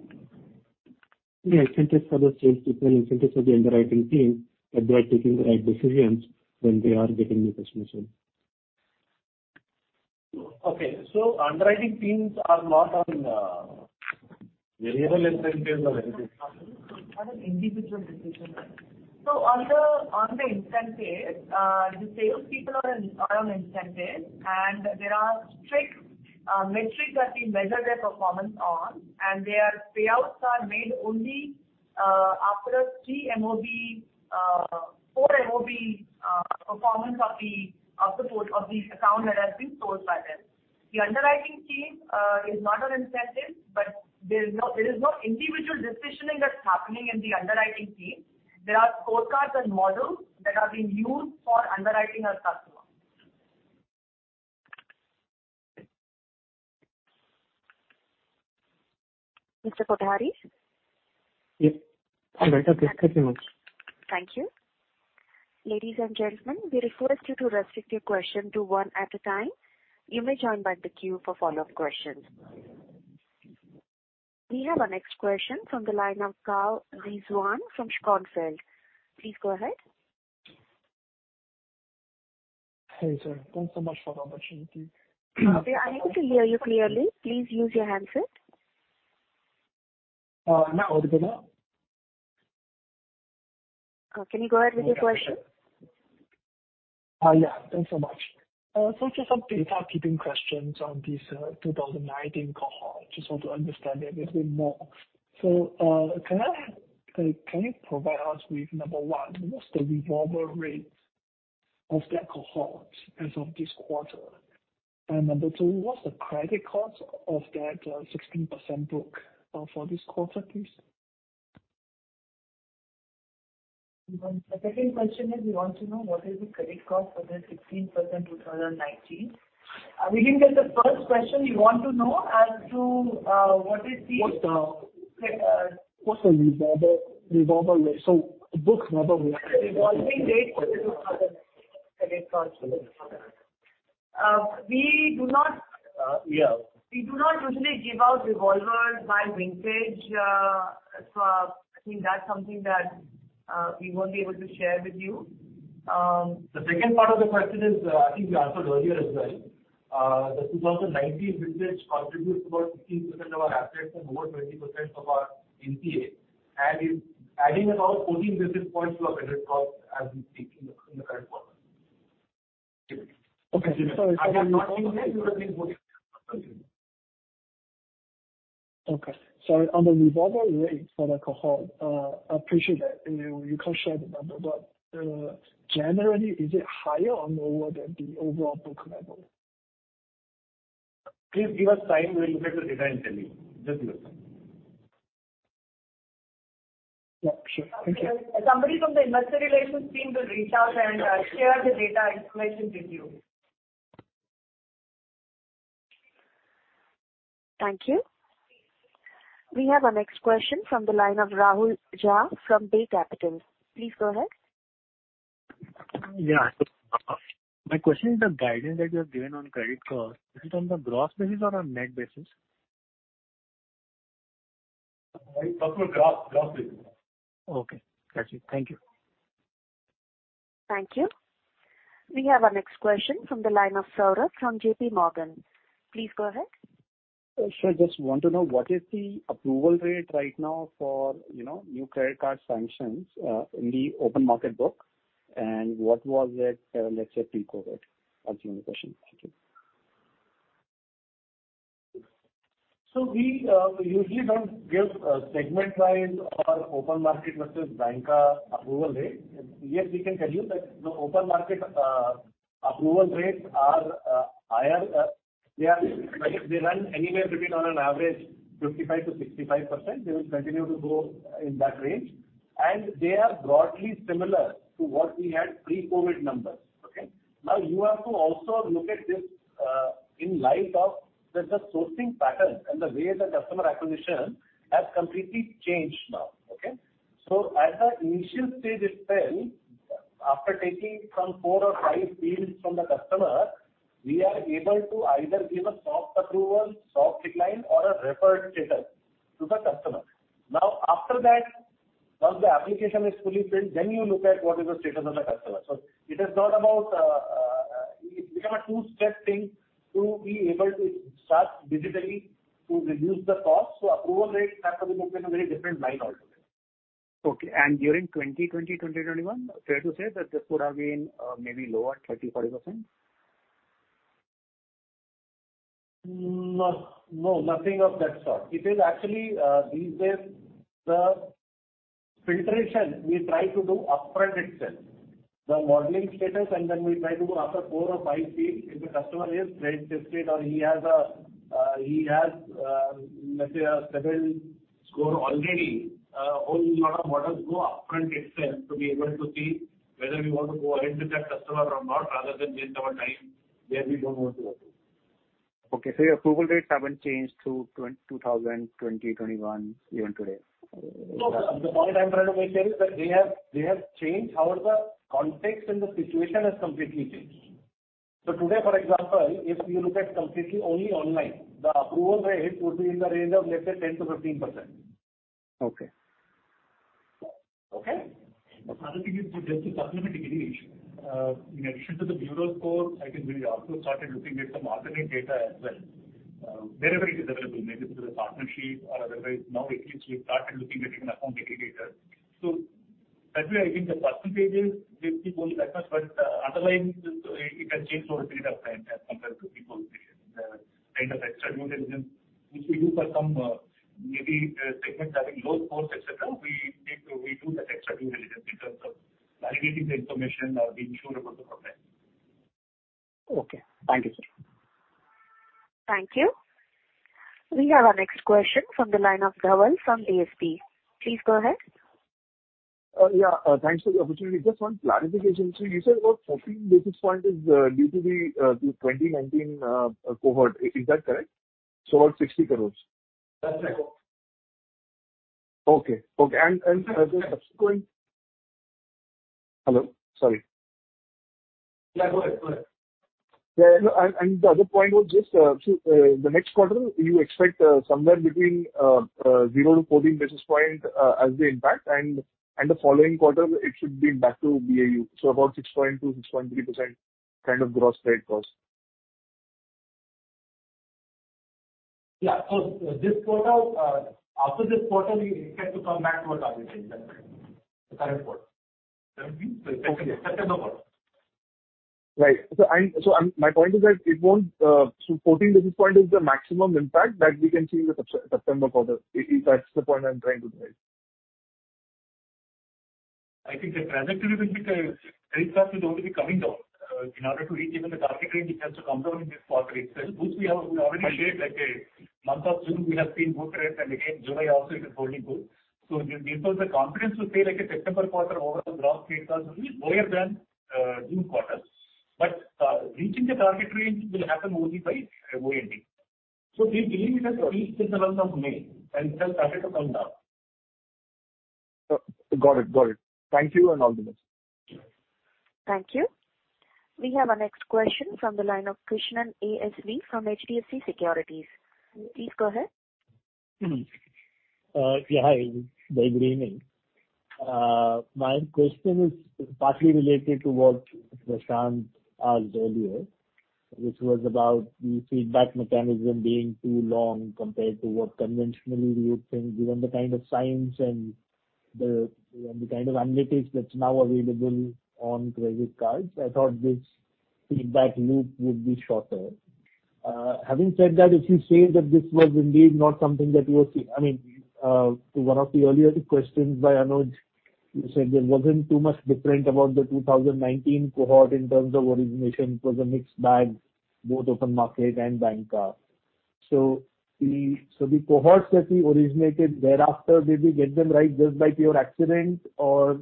Yeah, incentives for the sales people and incentives for the underwriting team, that they are taking the right decisions when they are getting the customers in. Okay. Underwriting teams are not on, variable incentives or anything. Not an individual decision. On the, on the incentive, the sales people are on, are on incentive, and there are strict metrics that we measure their performance on, and their payouts are made only after a three MOB, four MOB performance of the account that has been sourced by them. The underwriting team is not on incentive, but there is no, there is no individual decisioning that's happening in the underwriting team. There are scorecards and models that are being used for underwriting our customers. Mr. Kothari? Yes. I'm better. Thank you very much. Thank you. Ladies and gentlemen, we request you to restrict your question to one at a time. You may join back the queue for follow-up questions. We have our next question from the line of Carl Rizwan from Schroders. Please go ahead. Hey, sir. Thanks so much for the opportunity. We are unable to hear you clearly. Please use your handset. Am I audible now? Can you go ahead with your question? Yeah. Thanks so much. Just some data keeping questions on this 2019 cohort, just want to understand a little bit more. Can you provide us with, number one, what's the revolver rate of that cohort as of this quarter? And number two, what's the credit cost of that 16% book for this quarter, please? The second question is, we want to know what is the credit cost for the 16% 2019. Regarding the first question, you want to know as to what is the... What's the revolver rate? Book revolver rate? Revolving rate for the 2019 credit card. We do not- Yeah. We do not usually give out revolvers by vintage. I think that's something that, we won't be able to share with you. The second part of the question is, I think we answered earlier as well. The 2019 vintage contributes about 16% of our assets and over 20% of our NPA, and is adding about 14 basis points to our credit cost as we speak in the, in the current quarter. Okay. Sorry. Okay. Sorry. On the revolver rate for the cohort, I appreciate that you, you can't share the number, but, generally, is it higher or lower than the overall book level? Please give us time. We'll look at the data and tell you. Just give us time. Yeah, sure. Thank you. Somebody from the investor relations team will reach out and share the data information with you. Thank you. We have our next question from the line of Rahul Jha from Bay Capital. Please go ahead. Yeah. My question is the guidance that you have given on credit cost, is it on the gross basis or on net basis? Gross, gross basis. Okay, got you. Thank you. Thank you. We have our next question from the line of Saurabh from J.P. Morgan. Please go ahead. I just want to know, what is the approval rate right now for, you know, new credit card sanctions in the open market book? What was it, let's say, pre-COVID? That's my only question. Thank you. We usually don't give segment-wise or open market versus banker approval rate. Yes, we can tell you that the open market approval rates are higher. They run anywhere between, on an average, 55%-65%. They will continue to go in that range. They are broadly similar to what we had pre-COVID numbers. Okay? You have to also look at this in light of that the sourcing pattern and the way the customer acquisition has completely changed now. Okay? At the initial stage itself, after taking some four or five feeds from the customer, we are able to either give a soft approval, soft decline, or a referred status to the customer. After that, once the application is fully filled, then you look at what is the status of the customer. It is not about, it become a two-step thing to be able to start digitally to reduce the cost, so approval rates have to be looked in a very different light also. Okay. during 2020, 2021, fair to say that this would have been, maybe lower, 30%-40%? No, no, nothing of that sort. It is actually, these days, the... Filtration, we try to do upfront itself, the modeling status, and then we try to do after four or five fees. If the customer is credit tested or he has a, he has, let's say, a seven score already, whole lot of models go upfront itself to be able to see whether we want to go ahead with that customer or not, rather than waste our time where we don't want to go through. Okay, your approval rates haven't changed through 2020, 2021, even today? No, the point I'm trying to make here is that they have, they have changed, however, the context and the situation has completely changed. Today, for example, if you look at completely only online, the approval rate would be in the range of, let's say, 10%-15%. Okay. Okay? The other thing is, just to supplement, in addition to the bureau score, I think we also started looking at some alternate data as well. Wherever it is available, maybe through the partnership or otherwise. At least we've started looking at even account data. That way, I think the percentages will keep going back up, but, otherwise, it, it has changed over a period of time as compared to people, the kind of extra due diligence, which we do for some, maybe, segments having low scores, et cetera. We do that extra due diligence in terms of validating the information or being sure about the product. Okay. Thank you, sir. Thank you. We have our next question from the line of Dhawal from ASP. Please go ahead. Thanks for the opportunity. Just one clarification. You said about 14 basis points is due to the 2019 cohort. Is that correct? About 60 crores. That's right. Okay. Okay, and, and the subsequent... Hello? Sorry. Yeah, go ahead. Go ahead. Yeah, and, and the other point was just, so, the next quarter, you expect, somewhere between, 0-14 basis points, as the impact, and, and the following quarter, it should be back to BAU. About 6.2%-6.3% kind of Gross Credit Cost. Yeah. This quarter, after this quarter, we expect to come back to our target range, the current quarter. Okay. September quarter. Right. My point is that it won't, so 14 basis points is the maximum impact that we can see in the September quarter. If that's the point I'm trying to make. I think the trajectory will be very fast, it's going to be coming down. In order to reach even the target range, it has to come down in this quarter itself, which we have already shared, like, month of June, we have seen good rates, and again, July also is holding good. Because the confidence will say like September quarter, overall growth rate was lower than June quarter. Reaching the target range will happen only by OAD. We believe it has reached in the month of May, and it has started to come down. Got it. Got it. Thank you, and all the best. Thank you. We have our next question from the line of Krishnan ASV from HDFC Securities. Please go ahead. Yeah, hi. Very good evening. My question is partly related to what Prashant asked earlier, which was about the feedback mechanism being too long compared to what conventionally we would think, given the kind of science and the, and the kind of analytics that's now available on credit cards. I thought this feedback loop would be shorter. Having said that, if you say that this was indeed not something that you were see-- I mean, to one of the earlier questions by Anuj, you said there wasn't too much different about the 2019 cohort in terms of origination. It was a mixed bag, both open market and bank card. The cohorts that we originated thereafter, did we get them right just by pure accident? You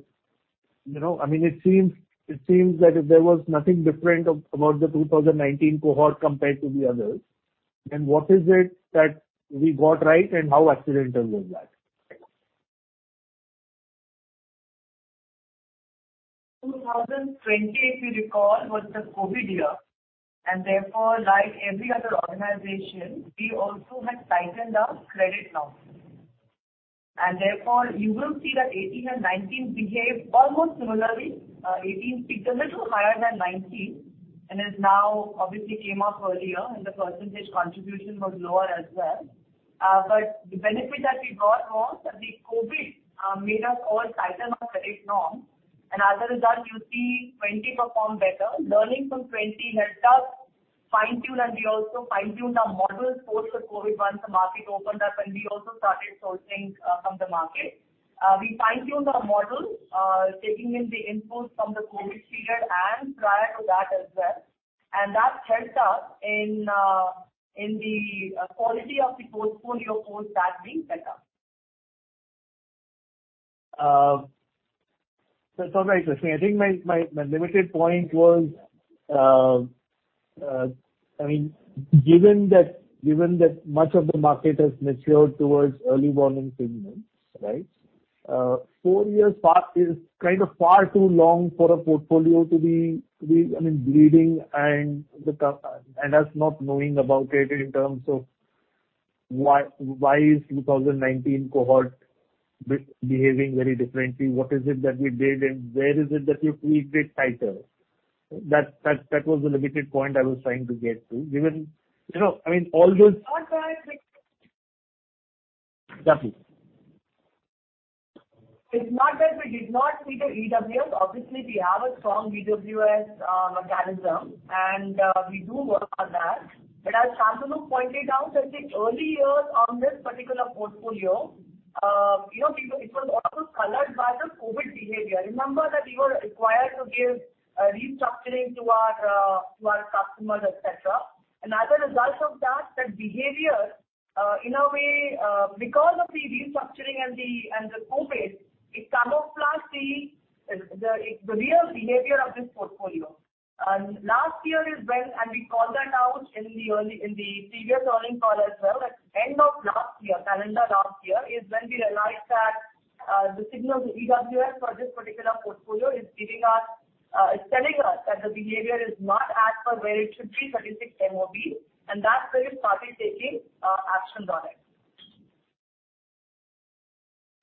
know, I mean, it seems, it seems like if there was nothing different about the 2019 cohort compared to the others, then what is it that we got right and how accidental was that? 2020, if you recall, was the COVID year. Therefore, like every other organization, we also had tightened our credit norms. Therefore, you will see that 2018 and 2019 behaved almost similarly. 2018 peaked a little higher than 2019 and has now obviously came off earlier, and the % contribution was lower as well. The benefit that we got was that the COVID made us all tighten our credit norms, and as a result, you see 2020 perform better. Learning from 2020 helped us fine-tune, and we also fine-tuned our models post the COVID once the market opened up, and we also started sourcing from the market. We fine-tune our models, taking in the inputs from the COVID period and prior to that as well, and that helped us in the quality of the portfolio post that being better. Sorry, Krish, I think my, my, my limited point was, I mean, given that, given that much of the market has matured towards early warning signals, right? 4 years apart is kind of far too long for a portfolio to be, to be, I mean, bleeding and us not knowing about it in terms of why, why is 2019 cohort behaving very differently? What is it that we did, and where is it that you tweaked it tighter? That, that, that was the limited point I was trying to get to, given, you know, I mean, all those. It's not that Sorry. It's not that we did not see the EWS. Obviously, we have a strong EWS, mechanism, and, we do work on that. As Shantanu pointed out, that the early years on this particular portfolio, you know, it was also colored by the COVID behavior. Remember that we were required to give a restructuring to our, to our customers, et cetera. As a result of that, that behavior, in a way, because of the restructuring and the, and the COVID, it camouflaged the, the, the real behavior of this portfolio. Last year is when, and we called that out in the early, in the previous earning call as well, at end of last year, calendar last year, is when we realized that, the signal of the EWS for this particular portfolio is giving us, is telling us that the behavior is not as per where it should be, 36 MOB, and that's where we started taking, actions on it.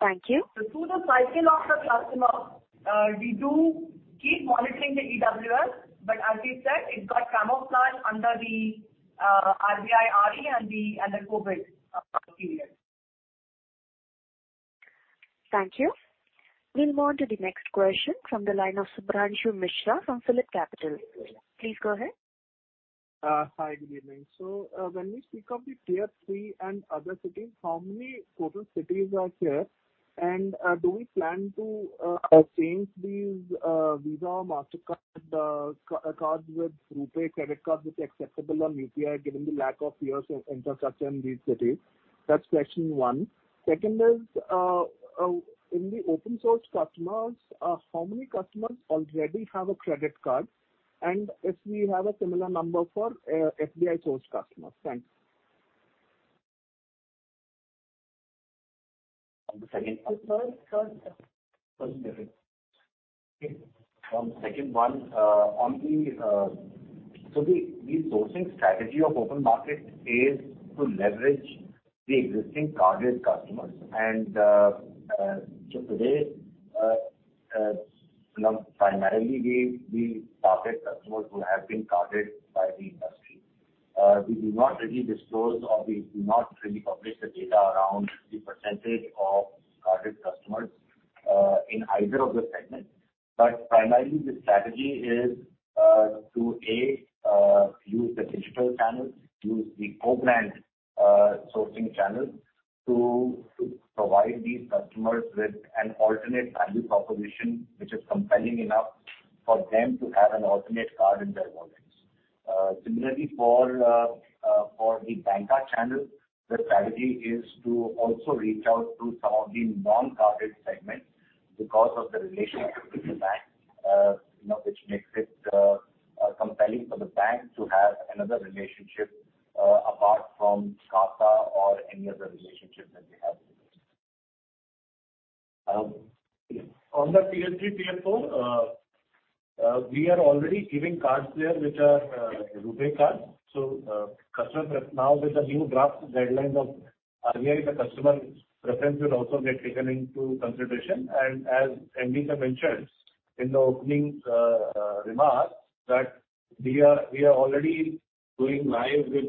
Thank you. Through the cycle of the customer, we do keep monitoring the EWS, but as we said, it got camouflaged under the RBI RE and the COVID period. Thank you. We'll move on to the next question from the line of Subhranshu Mishra from Phillip Capital. Please go ahead. Hi, good evening. When we speak of the tier three and other cities, how many total cities are here? Do we plan to change these Visa, Mastercard cards with RuPay credit cards, which are acceptable on UPI, given the lack of peers in infrastructure in these cities? That's question one. Second is, in the open source customers, how many customers already have a credit card? If we have a similar number for, SBI source customers. Thanks. On the second- Third, third. On the second one, on the... The sourcing strategy of open market is to leverage the existing carded customers. Today, now, primarily, we target customers who have been carded by the industry. We do not really disclose, or we do not really publish the data around the percentage of carded customers in either of the segments. Primarily, the strategy is, to, A, use the digital channels, use the co-brand sourcing channel, to, to provide these customers with an alternate value proposition, which is compelling enough for them to have an alternate card in their wallets. Similarly, for the banca channel, the strategy is to also reach out to some of the non-carded segments because of the relationship with the bank, you know, which makes it compelling for the bank to have another relationship, apart from Karta or any other relationship that they have. On the tier three, tier four, we are already giving cards there, which are RuPay cards. Customers that now with the new draft guidelines of RBI, the customer preference will also get taken into consideration. As Nandita mentioned in the opening remarks, that we are, we are already going live with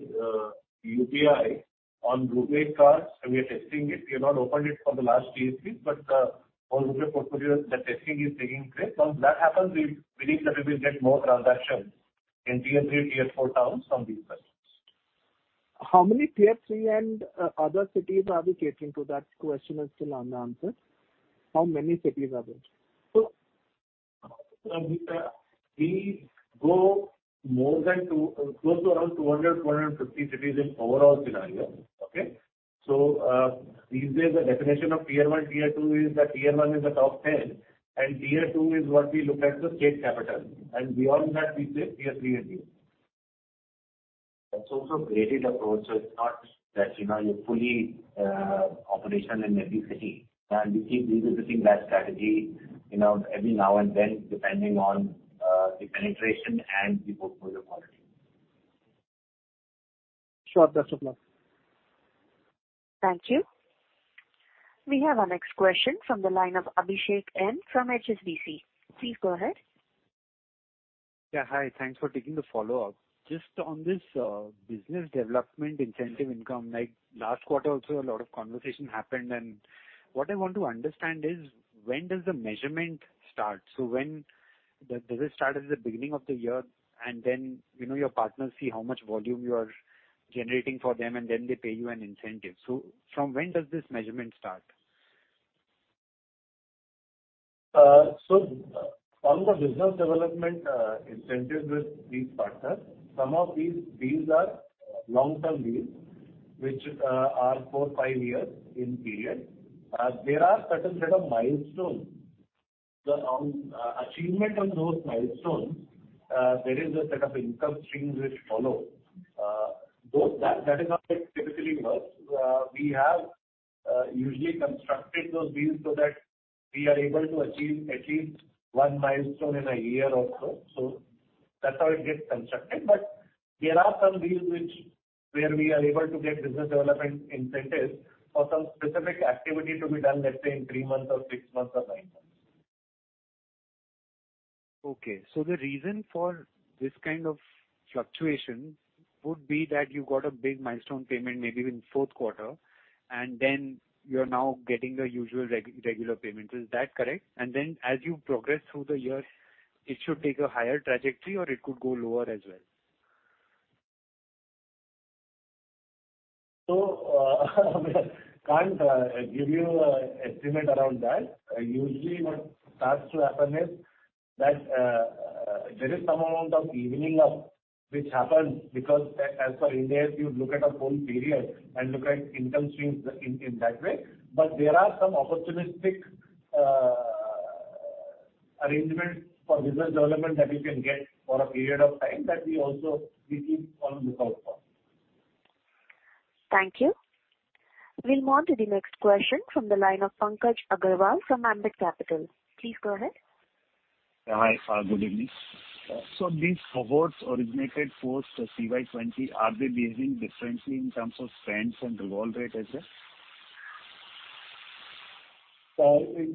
UPI on RuPay cards, and we are testing it. We have not opened it for the last tier three, on RuPay portfolio, the testing is taking place. Once that happens, we believe that we will get more transactions in tier three, tier four towns from these customers. How many tier three and other cities are we catering to? That question is still unanswered. How many cities are there? We, we go close to around 200, 250 cities in overall scenario. Okay. These days, the definition of tier one, tier two, is that tier one is the top 10, and tier two is what we look at the state capital. Beyond that, we say tier three and below. That's also a graded approach, so it's not that, you know, you're fully operational in every city. We keep revisiting that strategy, you know, every now and then, depending on the penetration and the portfolio quality. Sure. Best of luck. Thank you. We have our next question from the line of Abhishek M from HSBC. Please go ahead. Yeah, hi. Thanks for taking the follow-up. Just on this business development incentive income, like, last quarter also, a lot of conversation happened. What I want to understand is, when does the measurement start? Does it start at the beginning of the year, and then, you know, your partners see how much volume you are generating for them, and then they pay you an incentive? From when does this measurement start? On the business development incentives with these partners, some of these deals are long-term deals, which are four, five years in period. There are certain set of milestones. On achievement on those milestones, there is a set of income streams which follow. Those, that, that is how it typically works. We have usually constructed those deals so that we are able to achieve at least one milestone in a year or so. That's how it gets constructed. There are some deals which, where we are able to get business development incentives for some specific activity to be done, let's say, in three months or six months or nine months. Okay. The reason for this kind of fluctuation would be that you got a big milestone payment, maybe in the Q4, and then you're now getting the usual regular payment. Is that correct? Then as you progress through the year, it should take a higher trajectory or it could go lower as well? I can't give you an estimate around that. Usually, what starts to happen is that there is some amount of evening up which happens, because as for Indians, you look at a whole period and look at income streams in, in that way. There are some opportunistic arrangements for business development that you can get for a period of time, that we also, we keep on lookout for. Thank you. We'll move to the next question from the line of Pankaj Agarwal, from Ambit Capital. Please go ahead. Hi, good evening. These cohorts originated post CY 20, are they behaving differently in terms of spends and revolve rate, et cetera?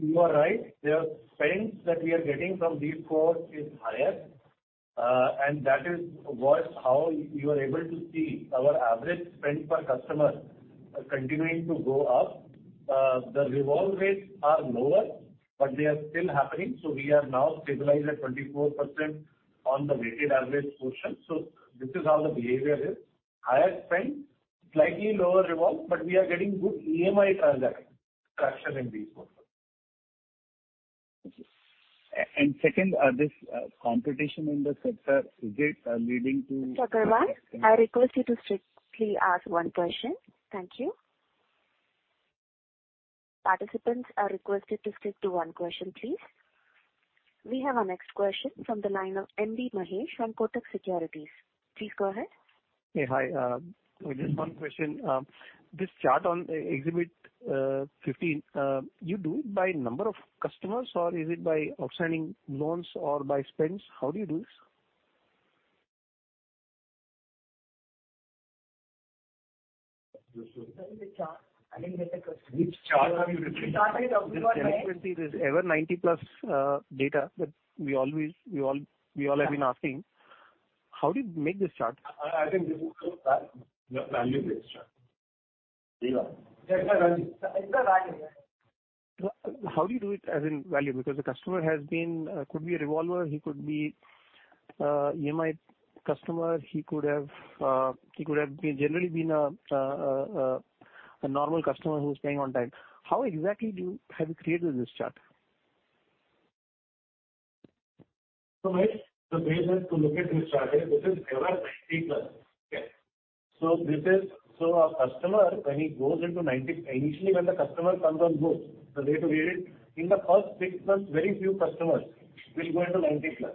You are right. The spends that we are getting from these cohorts is higher, that is how you are able to see our average spend per customer continuing to go up. The revolve rates are lower, they are still happening, so we are now stabilized at 24% on the weighted average portion. This is how the behavior is: higher spend, slightly lower revolve, but we are getting good EMI transaction structure in these cohorts. Thank you. Second, this competition in the sector, is it leading to-? Mr. Agarwal, I request you to strictly ask one question. Thank you. Participants are requested to stick to one question, please. We have our next question from the line of M. B. Mahesh, from Kotak Securities. Please go ahead. Hey, hi. Just 1 question. This chart on exhibit 15, you do it by number of customers, or is it by outstanding loans or by spends? How do you do this? Which chart? I didn't get the question. Which chart have you referred to? This ever 90 plus data that we always have been asking. How do you make this chart? I think this is the value-based chart. How do you do it as in value? Because the customer has been could be a revolver, he could be EMI customer, he could have he could have been generally been a normal customer who is paying on time. How exactly do you have you created this chart? Mahesh, the way to look at this chart is, this is ever 90 plus. Okay. This is... a customer, when he goes into 90 initially, when the customer comes on board, the way to read it, in the first six months, very few customers will go into 90 plus.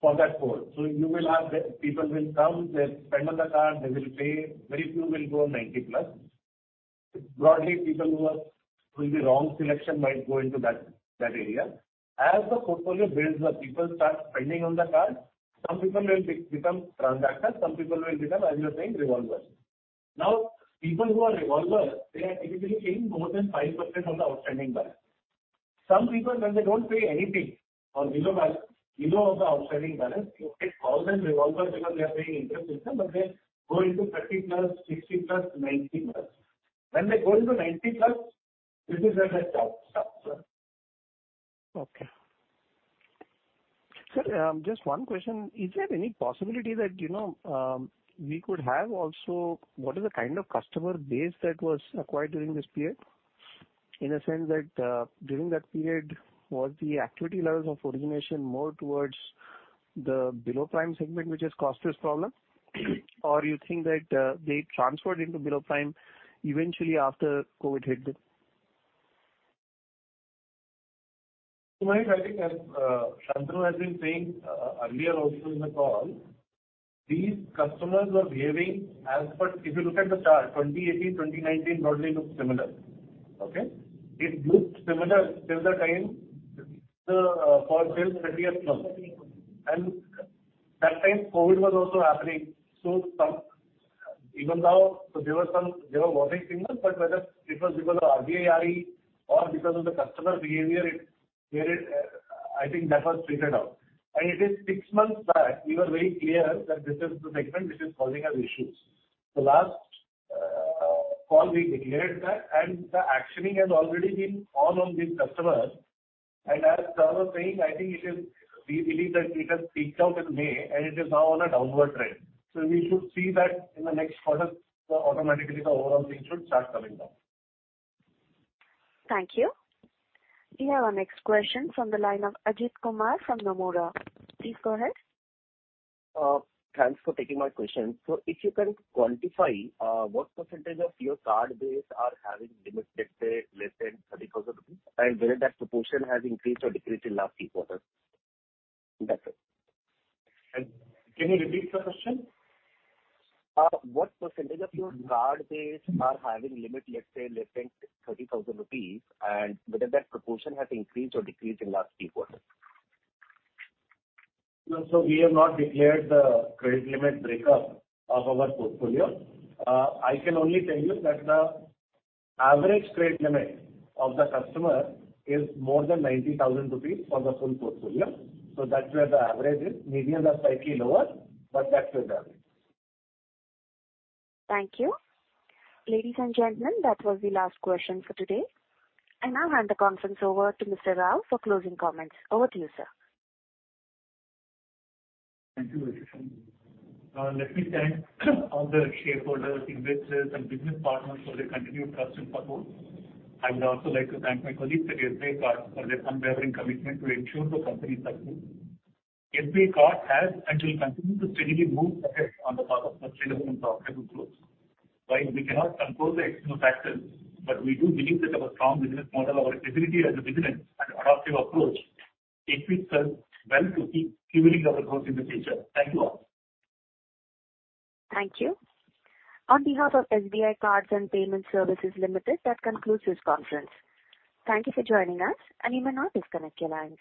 Okay? For that cohort. You will have the people will come, they spend on the card, they will pay, very few will go 90 plus. Broadly, people who are will be wrong selection might go into that, that area. As the portfolio builds up, people start spending on the card, some people will become transactors, some people will become, as you are saying, revolvers. People who are revolvers, they are typically paying more than 5% of the outstanding balance. Some people, when they don't pay anything or below balance, below of the outstanding balance, you get called as revolvers because they are paying interest, but they go into 30 plus, 60 plus, 90 plus. When they go into 90 plus, this is where they stop, sir. Okay. Sir, just one question. Is there any possibility that, you know, we could have also, what is the kind of customer base that was acquired during this period? In a sense that, during that period, was the activity levels of origination more towards the below prime segment, which has caused this problem, or you think that they transferred into below prime eventually after COVID hit them? Mahesh, I think as Shantanu has been saying earlier also in the call, these customers were behaving as per. If you look at the chart, 2018, 2019 broadly looks similar. Okay? It looks similar till the time for till 30th month. That time, COVID was also happening, so even now, so there were some, there were very similar, but whether it was because of RBI or because of the customer behavior, it, where it, I think that was tweeted out. It is 6 months back, we were very clear that this is the segment which is causing us issues. Last call, we declared that, and the actioning has already been on, on these customers. As Shantanu was saying, I think it is, we believe that it has peaked out in May, and it is now on a downward trend. We should see that in the next quarter, automatically, the overall thing should start coming down. Thank you. We have our next question from the line of Ajit Kumar, from Nomura. Please go ahead. Thanks for taking my question. If you can quantify, what percentage of your card base are having limits, let's say, less than 30,000 rupees, and whether that proportion has increased or decreased in last few quarters? That's it. Can you repeat the question? What percentage of your card base are having limit, let's say, less than 30,000 rupees, and whether that proportion has increased or decreased in last few quarters? We have not declared the credit limit breakup of our portfolio. I can only tell you that the average credit limit of the customer is more than 90,000 rupees for the full portfolio. That's where the average is. Medians are slightly lower, but that's the average. Thank you. Ladies and gentlemen, that was the last question for today. I now hand the conference over to Mr. Rao for closing comments. Over to you, sir. Thank you. Let me thank all the shareholders, investors, and business partners for their continued trust and support. I would also like to thank my colleagues at SBI Card for their unwavering commitment to ensure the company's success. SBI Card has and will continue to steadily move ahead on the path of sustainable and profitable growth. While we cannot control the external factors, but we do believe that our strong business model, our agility as a business, and adaptive approach, equips us well to keep fueling our growth in the future. Thank you all. Thank you. On behalf of SBI Cards and Payment Services Limited, that concludes this conference. Thank you for joining us. You may now disconnect your lines.